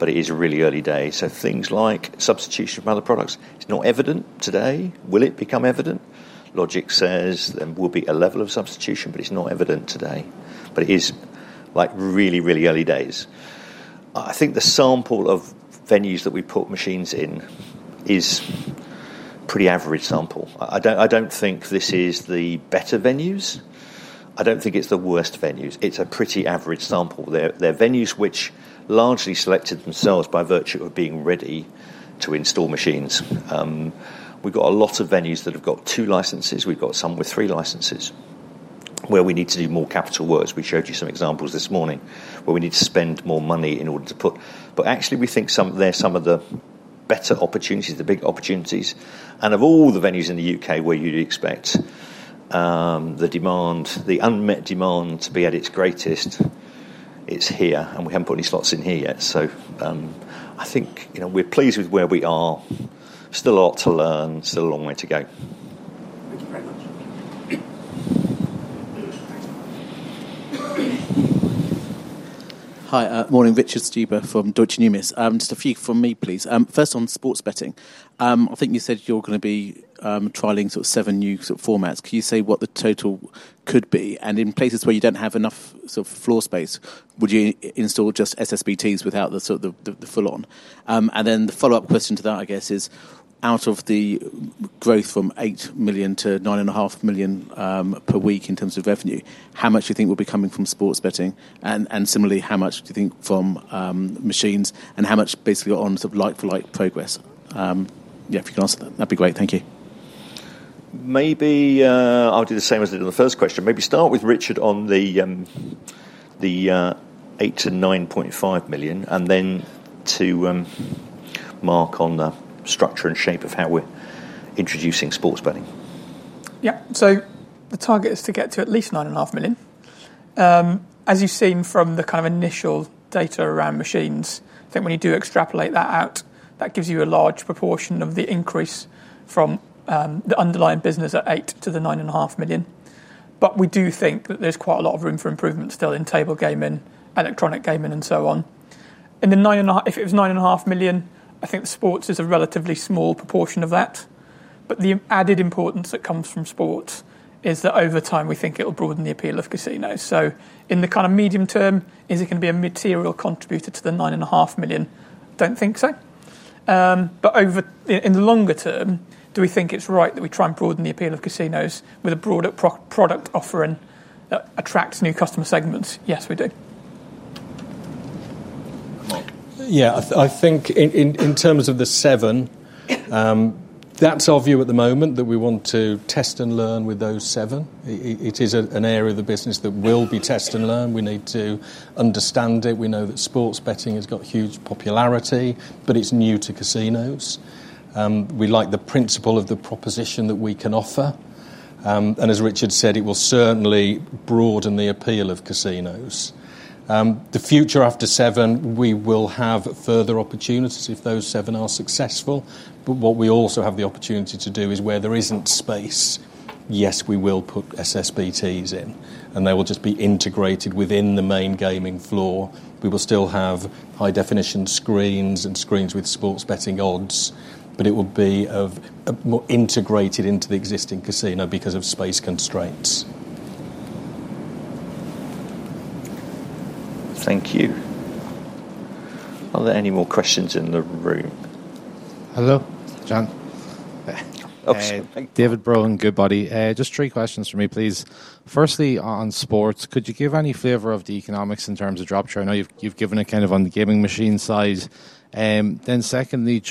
It is a really early day. Things like substitution of other products, it's not evident today. Will it become evident? Logic says there will be a level of substitution, but it's not evident today. It is really, really early days. I think the sample of venues that we put machines in is a pretty average sample. I don't think this is the better venues. I don't think it's the worst venues. It's a pretty average sample. They're venues which largely selected themselves by virtue of being ready to install machines. We've got a lot of venues that have got two licenses. We've got some with three licenses where we need to do more capital work. We showed you some examples this morning where we need to spend more money in order to put, but actually we think there's some of the better opportunities, the big opportunities. Of all the venues in the U.K. where you'd expect the demand, the unmet demand to be at its greatest, it's here. We haven't put any slot machines in here yet. I think we're pleased with where we are. Still a lot to learn, still a long way to go. Thank you very much. Hi, morning. Richard Stuber from Deutsche Numis. Just a few from me, please. First on sports betting. I think you said you're going to be trialing sort of seven new formats. Can you say what the total could be? In places where you don't have enough sort of floor space, would you install just SSBTs without the full-on? The follow-up question to that, I guess, is out of the growth from 8 million to 9.5 million per week in terms of revenue, how much do you think will be coming from sports betting? Similarly, how much do you think from machines? How much basically on sort of like-for-like progress? If you can answer that, that'd be great. Thank you. Maybe I'll do the same as I did in the first question. Maybe start with Richard Harris on the 8 million to 9.5 million, and then to Mark Harper on the structure and shape of how we're introducing sports betting. Yeah. The target is to get to at least 9.5 million. As you've seen from the kind of initial data around casino machines, I think when you do extrapolate that out, that gives you a large proportion of the increase from the underlying business at 8 million to the 9.5 million. We do think that there's quite a lot of room for improvement still in table gaming, electronic gaming, and so on. If it was 9.5 million, I think sports betting is a relatively small proportion of that. The added importance that comes from sports betting is that over time, we think it'll broaden the appeal of casinos. In the kind of medium term, is it going to be a material contributor to the 9.5 million? I don't think so. In the longer term, do we think it's right that we try and broaden the appeal of casinos with a broader product offering that attracts new customer segments? Yes, we do. Yeah. I think in terms of the seven, that's our view at the moment that we want to test and learn with those seven. It is an area of the business that will be test and learn. We need to understand it. We know that sports betting has got huge popularity, but it's new to casinos. We like the principle of the proposition that we can offer. As Richard Harris said, it will certainly broaden the appeal of casinos. The future after seven, we will have further opportunities if those seven are successful. What we also have the opportunity to do is where there isn't space, yes, we will put SSBTs in, and they will just be integrated within the main gaming floor. We will still have high-definition screens and screens with sports betting odds, but it will be integrated into the existing casino because of space constraints. Thank you. Are there any more questions in the room? Hello, John. David Brohan, Goodbody. Just three questions for me, please. Firstly, on sports, could you give any flavor of the economics in terms of drop share? I know you've given a kind of on the gaming machine side. Secondly,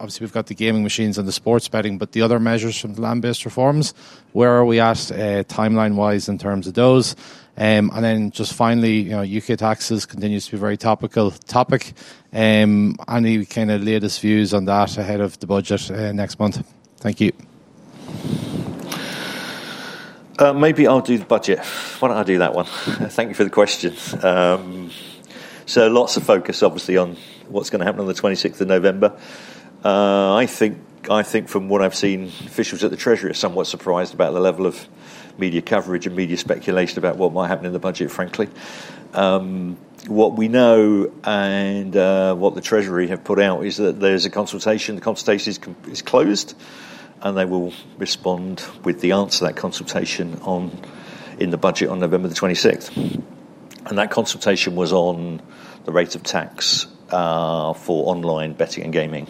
obviously we've got the gaming machines and the sports betting, but the other measures from the land-based reforms, where are we at timeline-wise in terms of those? Finally, U.K. taxes continues to be a very topical topic. Any kind of latest views on that ahead of the budget next month? Thank you. Maybe I'll do the budget. Why don't I do that one? Thank you for the questions. Lots of focus obviously on what's going to happen on the 26th of November. From what I've seen, officials at the Treasury are somewhat surprised about the level of media coverage and media speculation about what might happen in the budget, frankly. What we know and what the Treasury have put out is that there's a consultation. The consultation is closed, and they will respond with the answer to that consultation in the budget on November 26th. That consultation was on the rate of tax for online betting and gaming.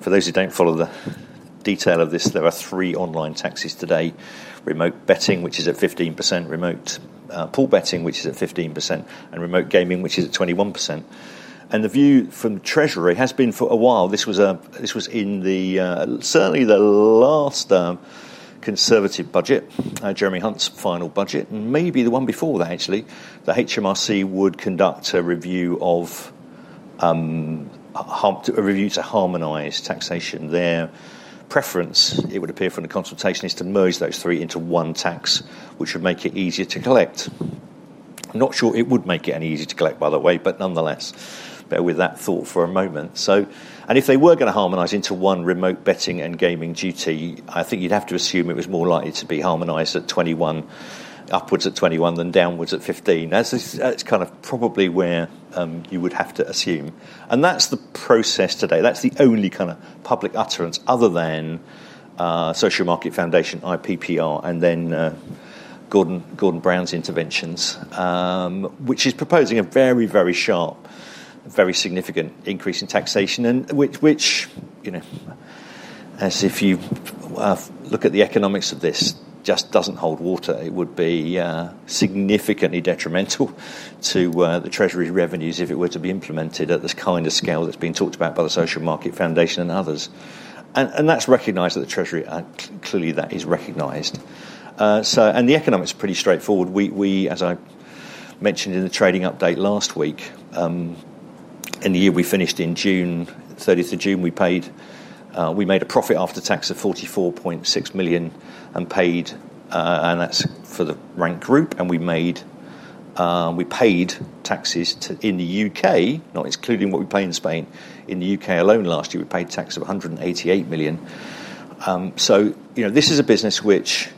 For those who don't follow the detail of this, there are three online taxes today: remote betting, which is at 15%; remote pool betting, which is at 15%; and remote gaming, which is at 21%. The view from the Treasury has been for a while. This was in certainly the last Conservative budget, Jeremy Hunt's final budget, and maybe the one before that, actually. The HMRC would conduct a review to harmonize taxation. Their preference, it would appear from the consultation, is to merge those three into one tax, which would make it easier to collect. I'm not sure it would make it any easier to collect, by the way, but nonetheless, bear with that thought for a moment. If they were going to harmonize into one remote betting and gaming duty, I think you'd have to assume it was more likely to be harmonized at 21, upwards at 21 than downwards at 15. That's kind of probably where you would have to assume. That's the process today. That's the only kind of public utterance other than Social Market Foundation, IPPR, and then Gordon Brown's interventions, which is proposing a very, very sharp, very significant increase in taxation, and which, if you look at the economics of this, just doesn't hold water. It would be significantly detrimental to the Treasury's revenues if it were to be implemented at this kind of scale that's being talked about by the Social Market Foundation and others. That is recognized at the Treasury; clearly, that is recognized. The economics are pretty straightforward. As I mentioned in the trading update last week, in the year we finished on June 30th, we made a profit after tax of 44.6 million and paid, and that's for The Rank Group plc. We paid taxes in the U.K., not including what we pay in Spain. In the U.K. alone last year, we paid tax of 188 million. This is a business which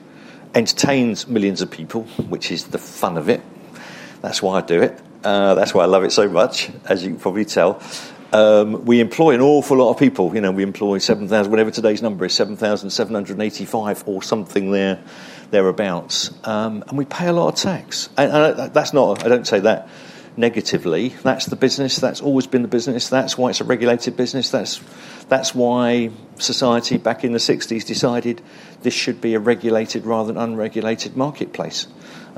entertains millions of people, which is the fun of it. That's why I do it. That's why I love it so much, as you can probably tell. We employ an awful lot of people. We employ 7,000, whatever today's number is, 7,785 or something thereabouts. We pay a lot of tax. That's not, I don't say that negatively. That's the business. That's always been the business. That's why it's a regulated business. That's why society back in the 1960s decided this should be a regulated rather than unregulated marketplace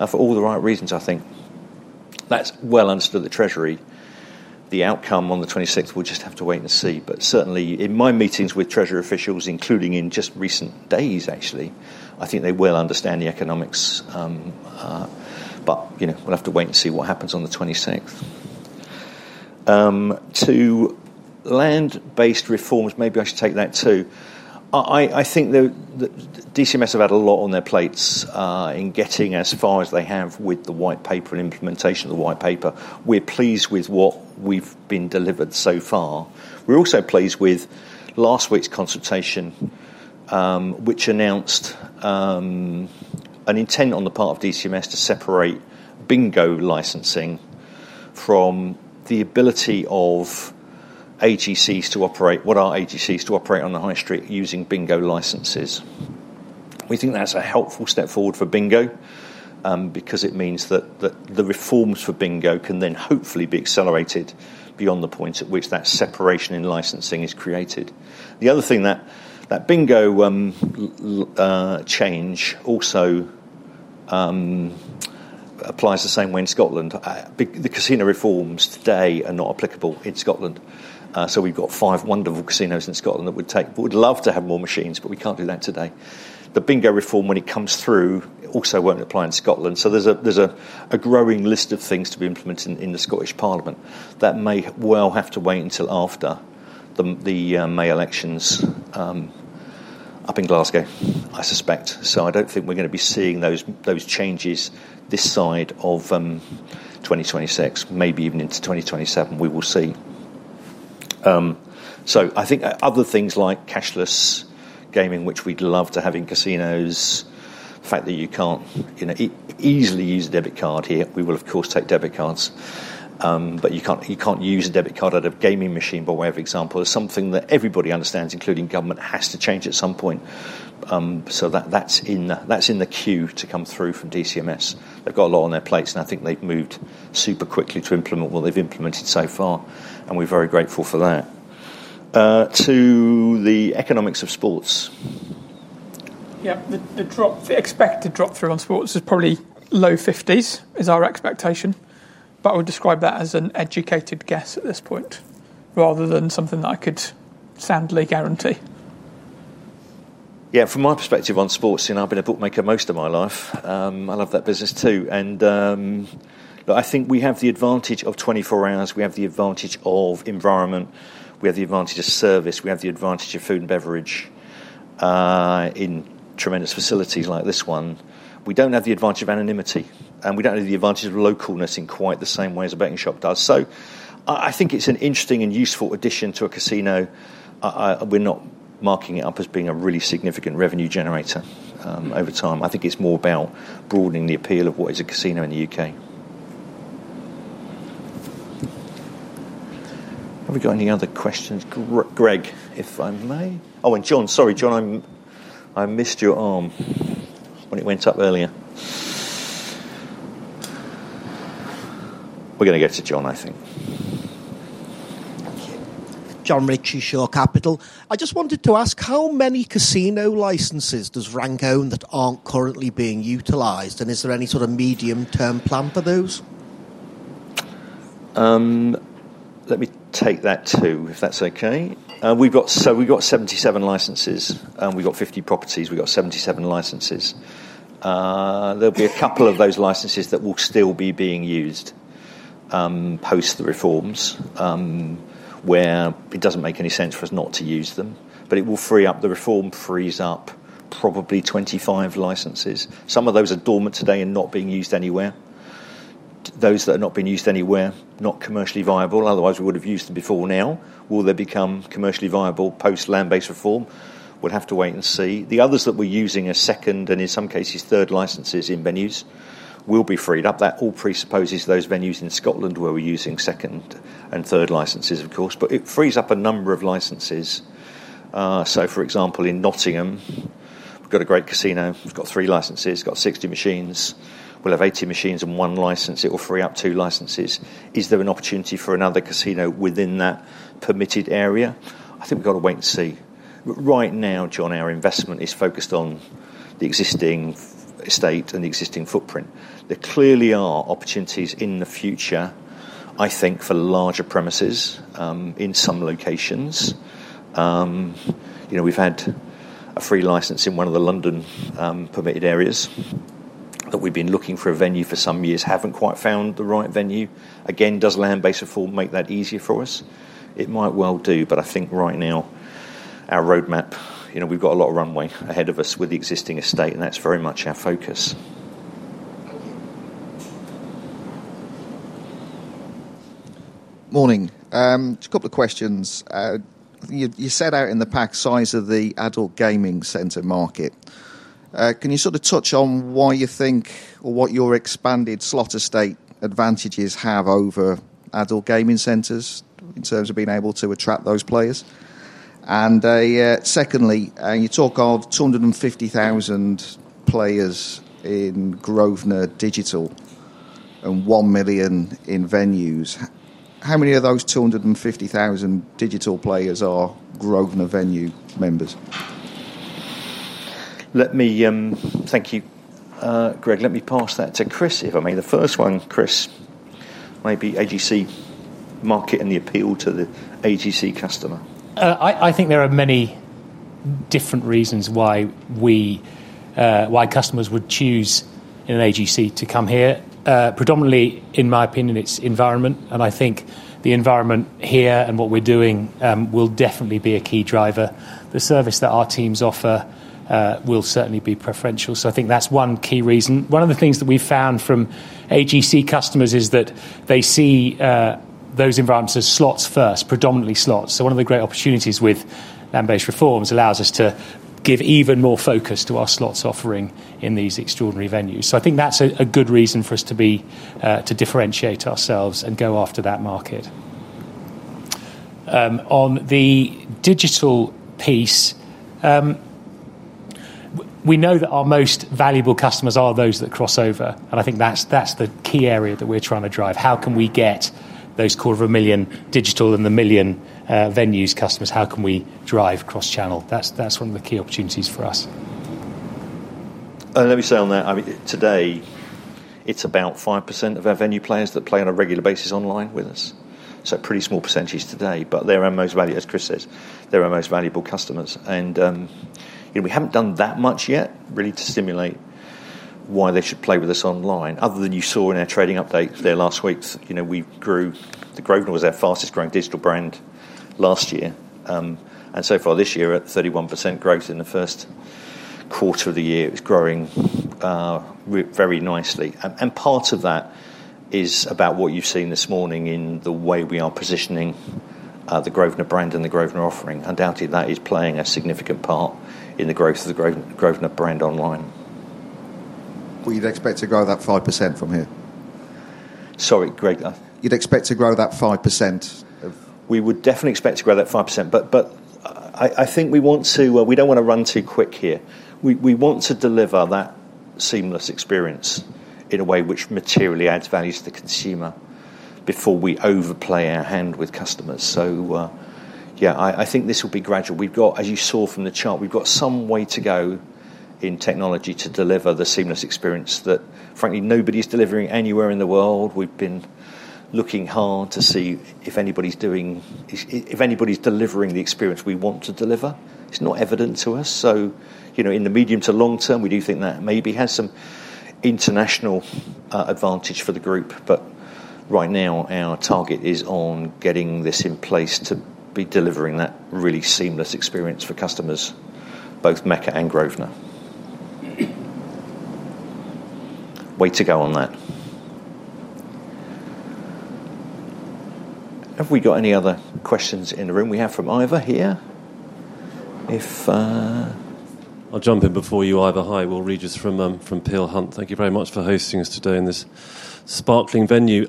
for all the right reasons, I think. That's well understood by the Treasury. The outcome on the 26th, we'll just have to wait and see. Certainly, in my meetings with Treasury officials, including in just recent days, actually, I think they will understand the economics. We'll have to wait and see what happens on the 26th. Regarding land-based gaming reforms, maybe I should take that too. I think the DCMS have had a lot on their plates in getting as far as they have with the white paper and implementation of the white paper. We're pleased with what we've been delivered so far. We're also pleased with last week's consultation, which announced an intent on the part of DCMS to separate bingo licensing from the ability of AGCs to operate, what are AGCs to operate on a high street using bingo licenses. We think that's a helpful step forward for bingo because it means that the reforms for bingo can then hopefully be accelerated beyond the point at which that separation in licensing is created. The other thing, that bingo change also applies the same way in Scotland. The casino reforms today are not applicable in Scotland. We've got five wonderful casinos in Scotland that would love to have more machines, but we can't do that today. The bingo reform, when it comes through, also won't apply in Scotland. There's a growing list of things to be implemented in the Scottish Parliament that may well have to wait until after the May elections up in Glasgow, I suspect. I don't think we're going to be seeing those changes this side of 2026, maybe even into 2027, we will see. I think other things like cashless gaming, which we'd love to have in casinos, the fact that you can't easily use a debit card here. We will, of course, take debit cards, but you can't use a debit card at a gaming machine, by way of example, is something that everybody understands, including government, has to change at some point. That's in the queue to come through from DCMS. They've got a lot on their plates, and I think they've moved super quickly to implement what they've implemented so far. We're very grateful for that. To the economics of sports. Yeah. The expected drop through on sports is probably low 50%, is our expectation. I would describe that as an educated guess at this point, rather than something that I could soundly guarantee. Yeah. From my perspective on sports, and I've been a bookmaker most of my life, I love that business too. I think we have the advantage of 24 hours. We have the advantage of environment. We have the advantage of service. We have the advantage of food and beverage in tremendous facilities like this one. We don't have the advantage of anonymity, and we don't have the advantage of localness in quite the same way as a betting shop does. I think it's an interesting and useful addition to a casino. We're not marking it up as being a really significant revenue generator over time. I think it's more about broadening the appeal of what is a casino in the U.K.. Have we got any other questions? Greg, if I may. Oh, and John, sorry, John, I missed your arm when it went up earlier. We're going to go to John, I think. Thank you. John Ritchie, Shore Capital. I just wanted to ask, how many casino licenses does Rank own that aren't currently being utilized? Is there any sort of medium-term plan for those? Let me take that too, if that's okay. We've got 77 licenses. We've got 50 properties. We've got 77 licenses. There'll be a couple of those licenses that will still be being used post the reforms, where it doesn't make any sense for us not to use them. It will free up, the reform frees up probably 25 licenses. Some of those are dormant today and not being used anywhere. Those that are not being used anywhere, not commercially viable, otherwise we would have used them before now. Will they become commercially viable post-land-based reform? We'll have to wait and see. The others that we're using are second and in some cases third licenses in venues that will be freed up. That all presupposes those venues in Scotland where we're using second and third licenses, of course, but it frees up a number of licenses. For example, in Nottingham, we've got a great casino. It's got three licenses. It's got 60 machines. We'll have 80 machines and one license. It will free up two licenses. Is there an opportunity for another casino within that permitted area? I think we've got to wait and see. Right now, John, our investment is focused on the existing estate and the existing footprint. There clearly are opportunities in the future, I think, for larger premises in some locations. We've had a free license in one of the London permitted areas, but we've been looking for a venue for some years, haven't quite found the right venue. Again, does land-based reform make that easier for us? It might well do, but I think right now our roadmap, you know, we've got a lot of runway ahead of us with the existing estate, and that's very much our focus. Thank you. Morning. Just a couple of questions. I think you set out in the pack size of the adult gaming center market. Can you sort of touch on why you think or what your expanded slot estate advantages have over adult gaming centers in terms of being able to attract those players? Secondly, you talk of 250,000 players in Grosvenor digital and 1 million in venues. How many of those 250,000 digital players are Grosvenor venue members? Thank you, Greg. Let me pass that to Chris, if I may. The first one, Chris, maybe AGC market and the appeal to the AGC customer. I think there are many different reasons why customers would choose an AGC to come here. Predominantly, in my opinion, it's environment. I think the environment here and what we're doing will definitely be a key driver. The service that our teams offer will certainly be preferential. I think that's one key reason. One of the things that we've found from AGC customers is that they see those environments as slots first, predominantly slots. One of the great opportunities with land-based gaming reforms allows us to give even more focus to our slots offering in these extraordinary venues. I think that's a good reason for us to differentiate ourselves and go after that market. On the digital piece, we know that our most valuable customers are those that cross over. I think that's the key area that we're trying to drive. How can we get those quarter of a million digital and the one million venues customers? How can we drive cross-channel? That's one of the key opportunities for us. Let me say on that, today, it's about 5% of our venue players that play on a regular basis online with us. It's a pretty small percentage today, but they're our most valuable, as Chris says, they're our most valuable customers. We haven't done that much yet, really, to stimulate why they should play with us online, other than you saw in our trading update there last week. We grew, Grosvenor was our fastest growing digital brand last year. So far this year, at 31% growth in the first quarter of the year, it's growing very nicely. Part of that is about what you've seen this morning in the way we are positioning the Grosvenor brand and the Grosvenor offering. Undoubtedly, that is playing a significant part in the growth of the Grosvenor brand online. You'd expect to grow that 5% from here. Sorry, Greg. You'd expect to grow that 5%. We would definitely expect to grow that 5%. I think we want to, we don't want to run too quick here. We want to deliver that seamless experience in a way which materially adds value to the consumer before we overplay our hand with customers. Yeah, I think this will be gradual. We've got, as you saw from the chart, we've got some way to go in technology to deliver the seamless experience that, frankly, nobody's delivering anywhere in the world. We've been looking hard to see if anybody's delivering the experience we want to deliver. It's not evident to us. In the medium to long term, we do think that maybe has some international advantage for the group. Right now, our target is on getting this in place to be delivering that really seamless experience for customers, both Mecca and Grosvenor. Way to go on that. Have we got any other questions in the room? We have from Iva here. If... I'll jump in before you, Iva. Hi, Will Regis from Peel Hunt. Thank you very much for hosting us today in this sparkling venue.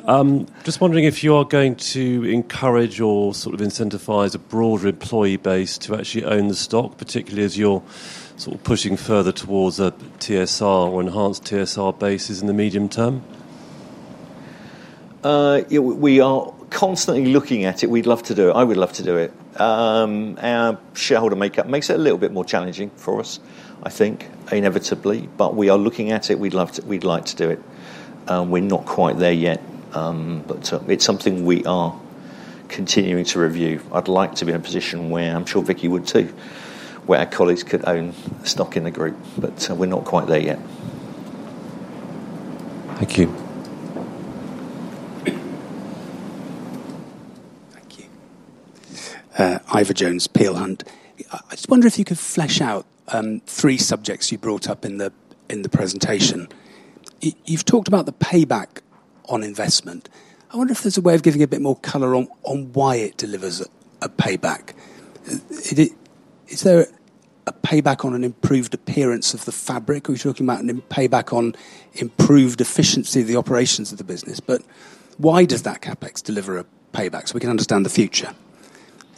Just wondering if you are going to encourage or sort of incentivize a broader employee base to actually own the stock, particularly as you're sort of pushing further towards a TSR or enhanced TSR basis in the medium term. We are constantly looking at it. We'd love to do it. I would love to do it. Our shareholder makeup makes it a little bit more challenging for us, I think, inevitably. We are looking at it. We'd like to do it. We're not quite there yet. It is something we are continuing to review. I'd like to be in a position where, I'm sure Vicki would too, our colleagues could own stock in the group. We're not quite there yet. Thank you. Thank you. Iva Jones, Peel Hunt. I just wonder if you could flesh out three subjects you brought up in the presentation. You've talked about the payback on investment. I wonder if there's a way of giving a bit more color on why it delivers a payback. Is there a payback on an improved appearance of the fabric? Are we talking about a payback on improved efficiency of the operations of the business? Why does that CapEx deliver a payback so we can understand the future?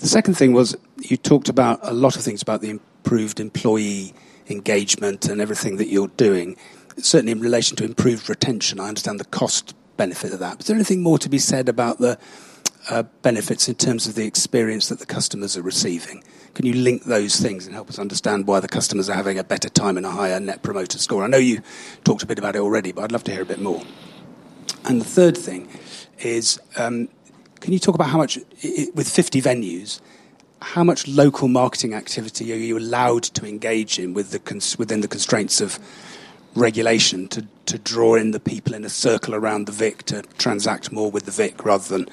The second thing was you talked about a lot of things about the improved employee engagement and everything that you're doing, certainly in relation to improved retention. I understand the cost benefit of that. Is there anything more to be said about the benefits in terms of the experience that the customers are receiving? Can you link those things and help us understand why the customers are having a better time and a higher net promoter score? I know you talked a bit about it already, but I'd love to hear a bit more. The third thing is, can you talk about how much, with 50 venues, how much local marketing activity are you allowed to engage in within the constraints of regulation to draw in the people in a circle around the Vic to transact more with the Vic rather than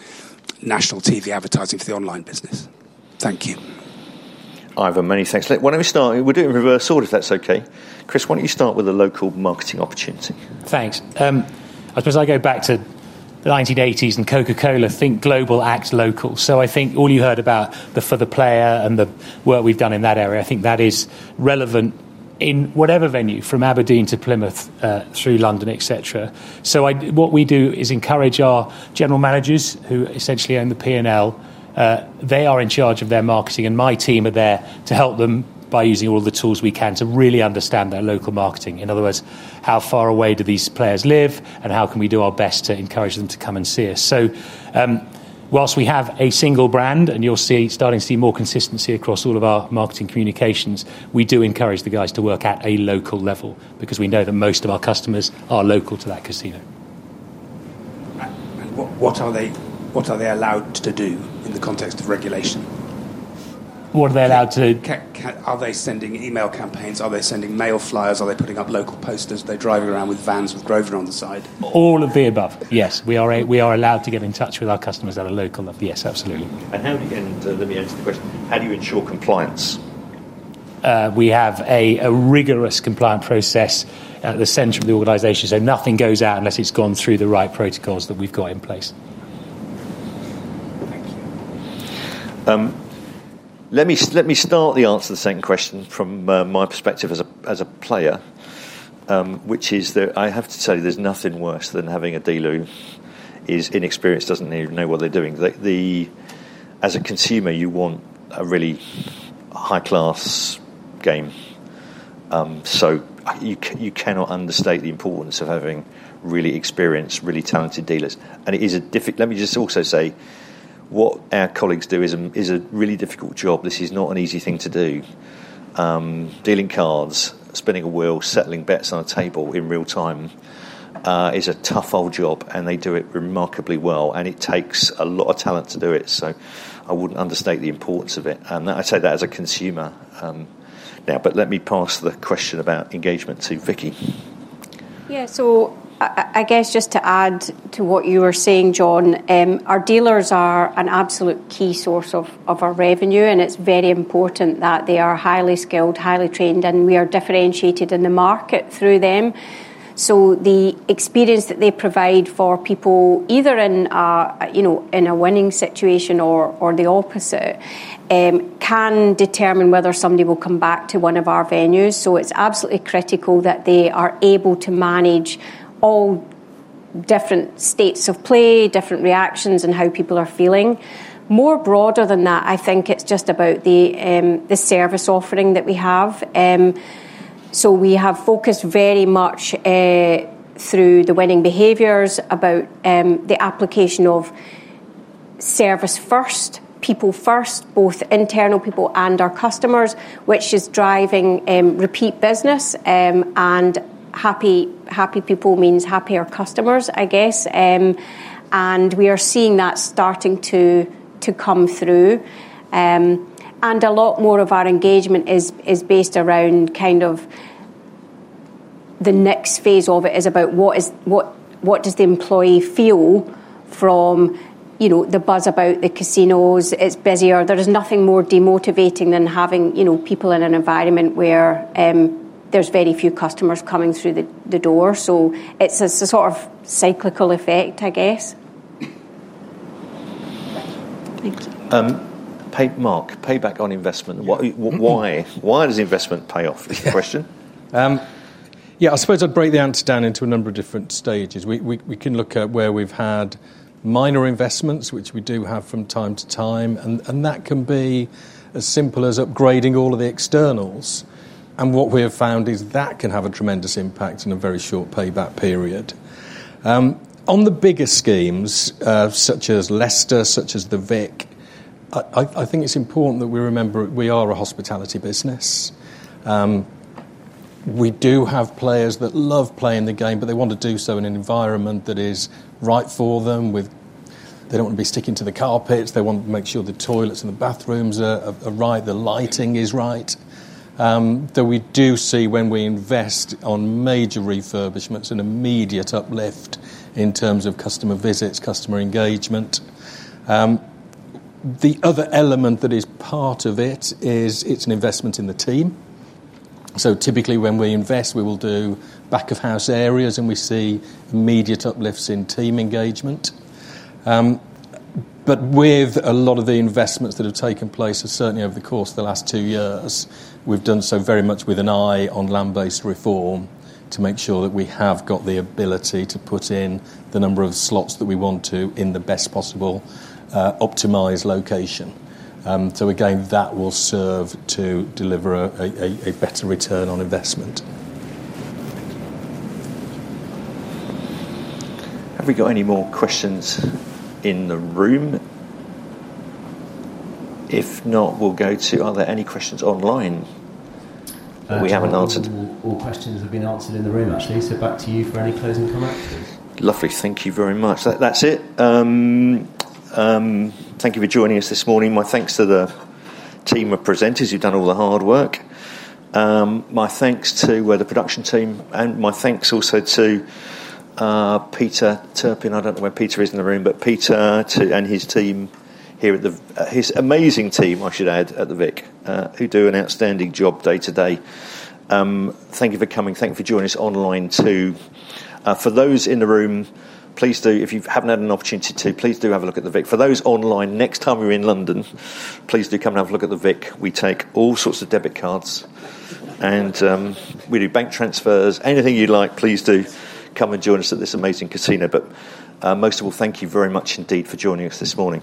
national TV advertising for the online business? Thank you. Iva, many thanks. Why don't we start? We're doing reverse order, if that's okay. Chris, why don't you start with a local marketing opportunity? Thanks. I suppose I go back to the 1980s and Coca-Cola, think global, act local. I think all you heard about the for the player and the work we've done in that area, I think that is relevant in whatever venue, from Aberdeen to Plymouth through London, etc. What we do is encourage our General Managers who essentially own the P&L. They are in charge of their marketing, and my team are there to help them by using all of the tools we can to really understand their local marketing. In other words, how far away do these players live and how can we do our best to encourage them to come and see us? Whilst we have a single brand, and you're starting to see more consistency across all of our marketing communications, we do encourage the guys to work at a local level because we know that most of our customers are local to that casino. What are they allowed to do in the context of regulation? What are they allowed to do? Are they sending email campaigns? Are they sending mail flyers? Are they putting up local posters? Are they driving around with vans with Grosvenor on the side? All of the above, yes. We are allowed to get in touch with our customers at a local level, yes, absolutely. Let me answer the question. How do you ensure compliance? We have a rigorous, compliant process at the center of the organization. Nothing goes out unless it's gone through the right protocols that we've got in place. Thank you. Let me start the answer to the second question from my perspective as a player, which is that I have to tell you, there's nothing worse than having a dealer who is inexperienced, doesn't even know what they're doing. As a consumer, you want a really high-class game. You cannot understate the importance of having really experienced, really talented dealers. It is a difficult, let me just also say, what our colleagues do is a really difficult job. This is not an easy thing to do. Dealing cards, spinning a wheel, settling bets on a table in real time is a tough old job, and they do it remarkably well. It takes a lot of talent to do it. I wouldn't understate the importance of it. I say that as a consumer now. Let me pass the question about engagement to Vicki. Yeah. I guess just to add to what you were saying, John, our dealers are an absolute key source of our revenue, and it's very important that they are highly skilled, highly trained, and we are differentiated in the market through them. The experience that they provide for people, either in a winning situation or the opposite, can determine whether somebody will come back to one of our venues. It's absolutely critical that they are able to manage all different states of play, different reactions, and how people are feeling. More broadly than that, I think it's just about the service offering that we have. We have focused very much through the winning behaviors about the application of service first, people first, both internal people and our customers, which is driving repeat business. Happy people means happier customers, I guess. We are seeing that starting to come through. A lot more of our engagement is based around kind of the next phase of it, which is about what does the employee feel from the buzz about the casinos? It's busier. There is nothing more demotivating than having people in an environment where there's very few customers coming through the door. It's a sort of cyclical effect, I guess. Thanks. Mark, payback on investment. Why does investment pay off? Question? Yeah. I suppose I'd break the answer down into a number of different stages. We can look at where we've had minor investments, which we do have from time to time. That can be as simple as upgrading all of the externals. What we have found is that can have a tremendous impact in a very short payback period. On the bigger schemes, such as Leicester, such as the Vic, I think it's important that we remember we are a hospitality business. We do have players that love playing the game, but they want to do so in an environment that is right for them. They don't want to be sticking to the carpets. They want to make sure the toilets and the bathrooms are right, the lighting is right. We do see when we invest on major refurbishments an immediate uplift in terms of customer visits, customer engagement. The other element that is part of it is it's an investment in the team. Typically, when we invest, we will do back-of-house areas, and we see immediate uplifts in team engagement. With a lot of the investments that have taken place, certainly over the course of the last two years, we've done so very much with an eye on land-based reform to make sure that we have got the ability to put in the number of slot machines that we want to in the best possible, optimized location. That will serve to deliver a better return on investment. Have we got any more questions in the room? If not, we'll go to are there any questions online that we haven't answered? All questions have been answered in the room, actually. Back to you for any closing comments, please. Lovely. Thank you very much. That's it. Thank you for joining us this morning. My thanks to the team of presenters who've done all the hard work. My thanks to the production team. My thanks also to Peter Turpin. I don't know where Peter is in the room, but Peter and his amazing team here at the Vic do an outstanding job day to day. Thank you for coming. Thank you for joining us online too. For those in the room, if you haven't had an opportunity, please do have a look at the Vic. For those online, next time you're in London, please do come and have a look at the Vic. We take all sorts of debit cards, and we do bank transfers. Anything you like, please do come and join us at this amazing casino. Most of all, thank you very much indeed for joining us this morning.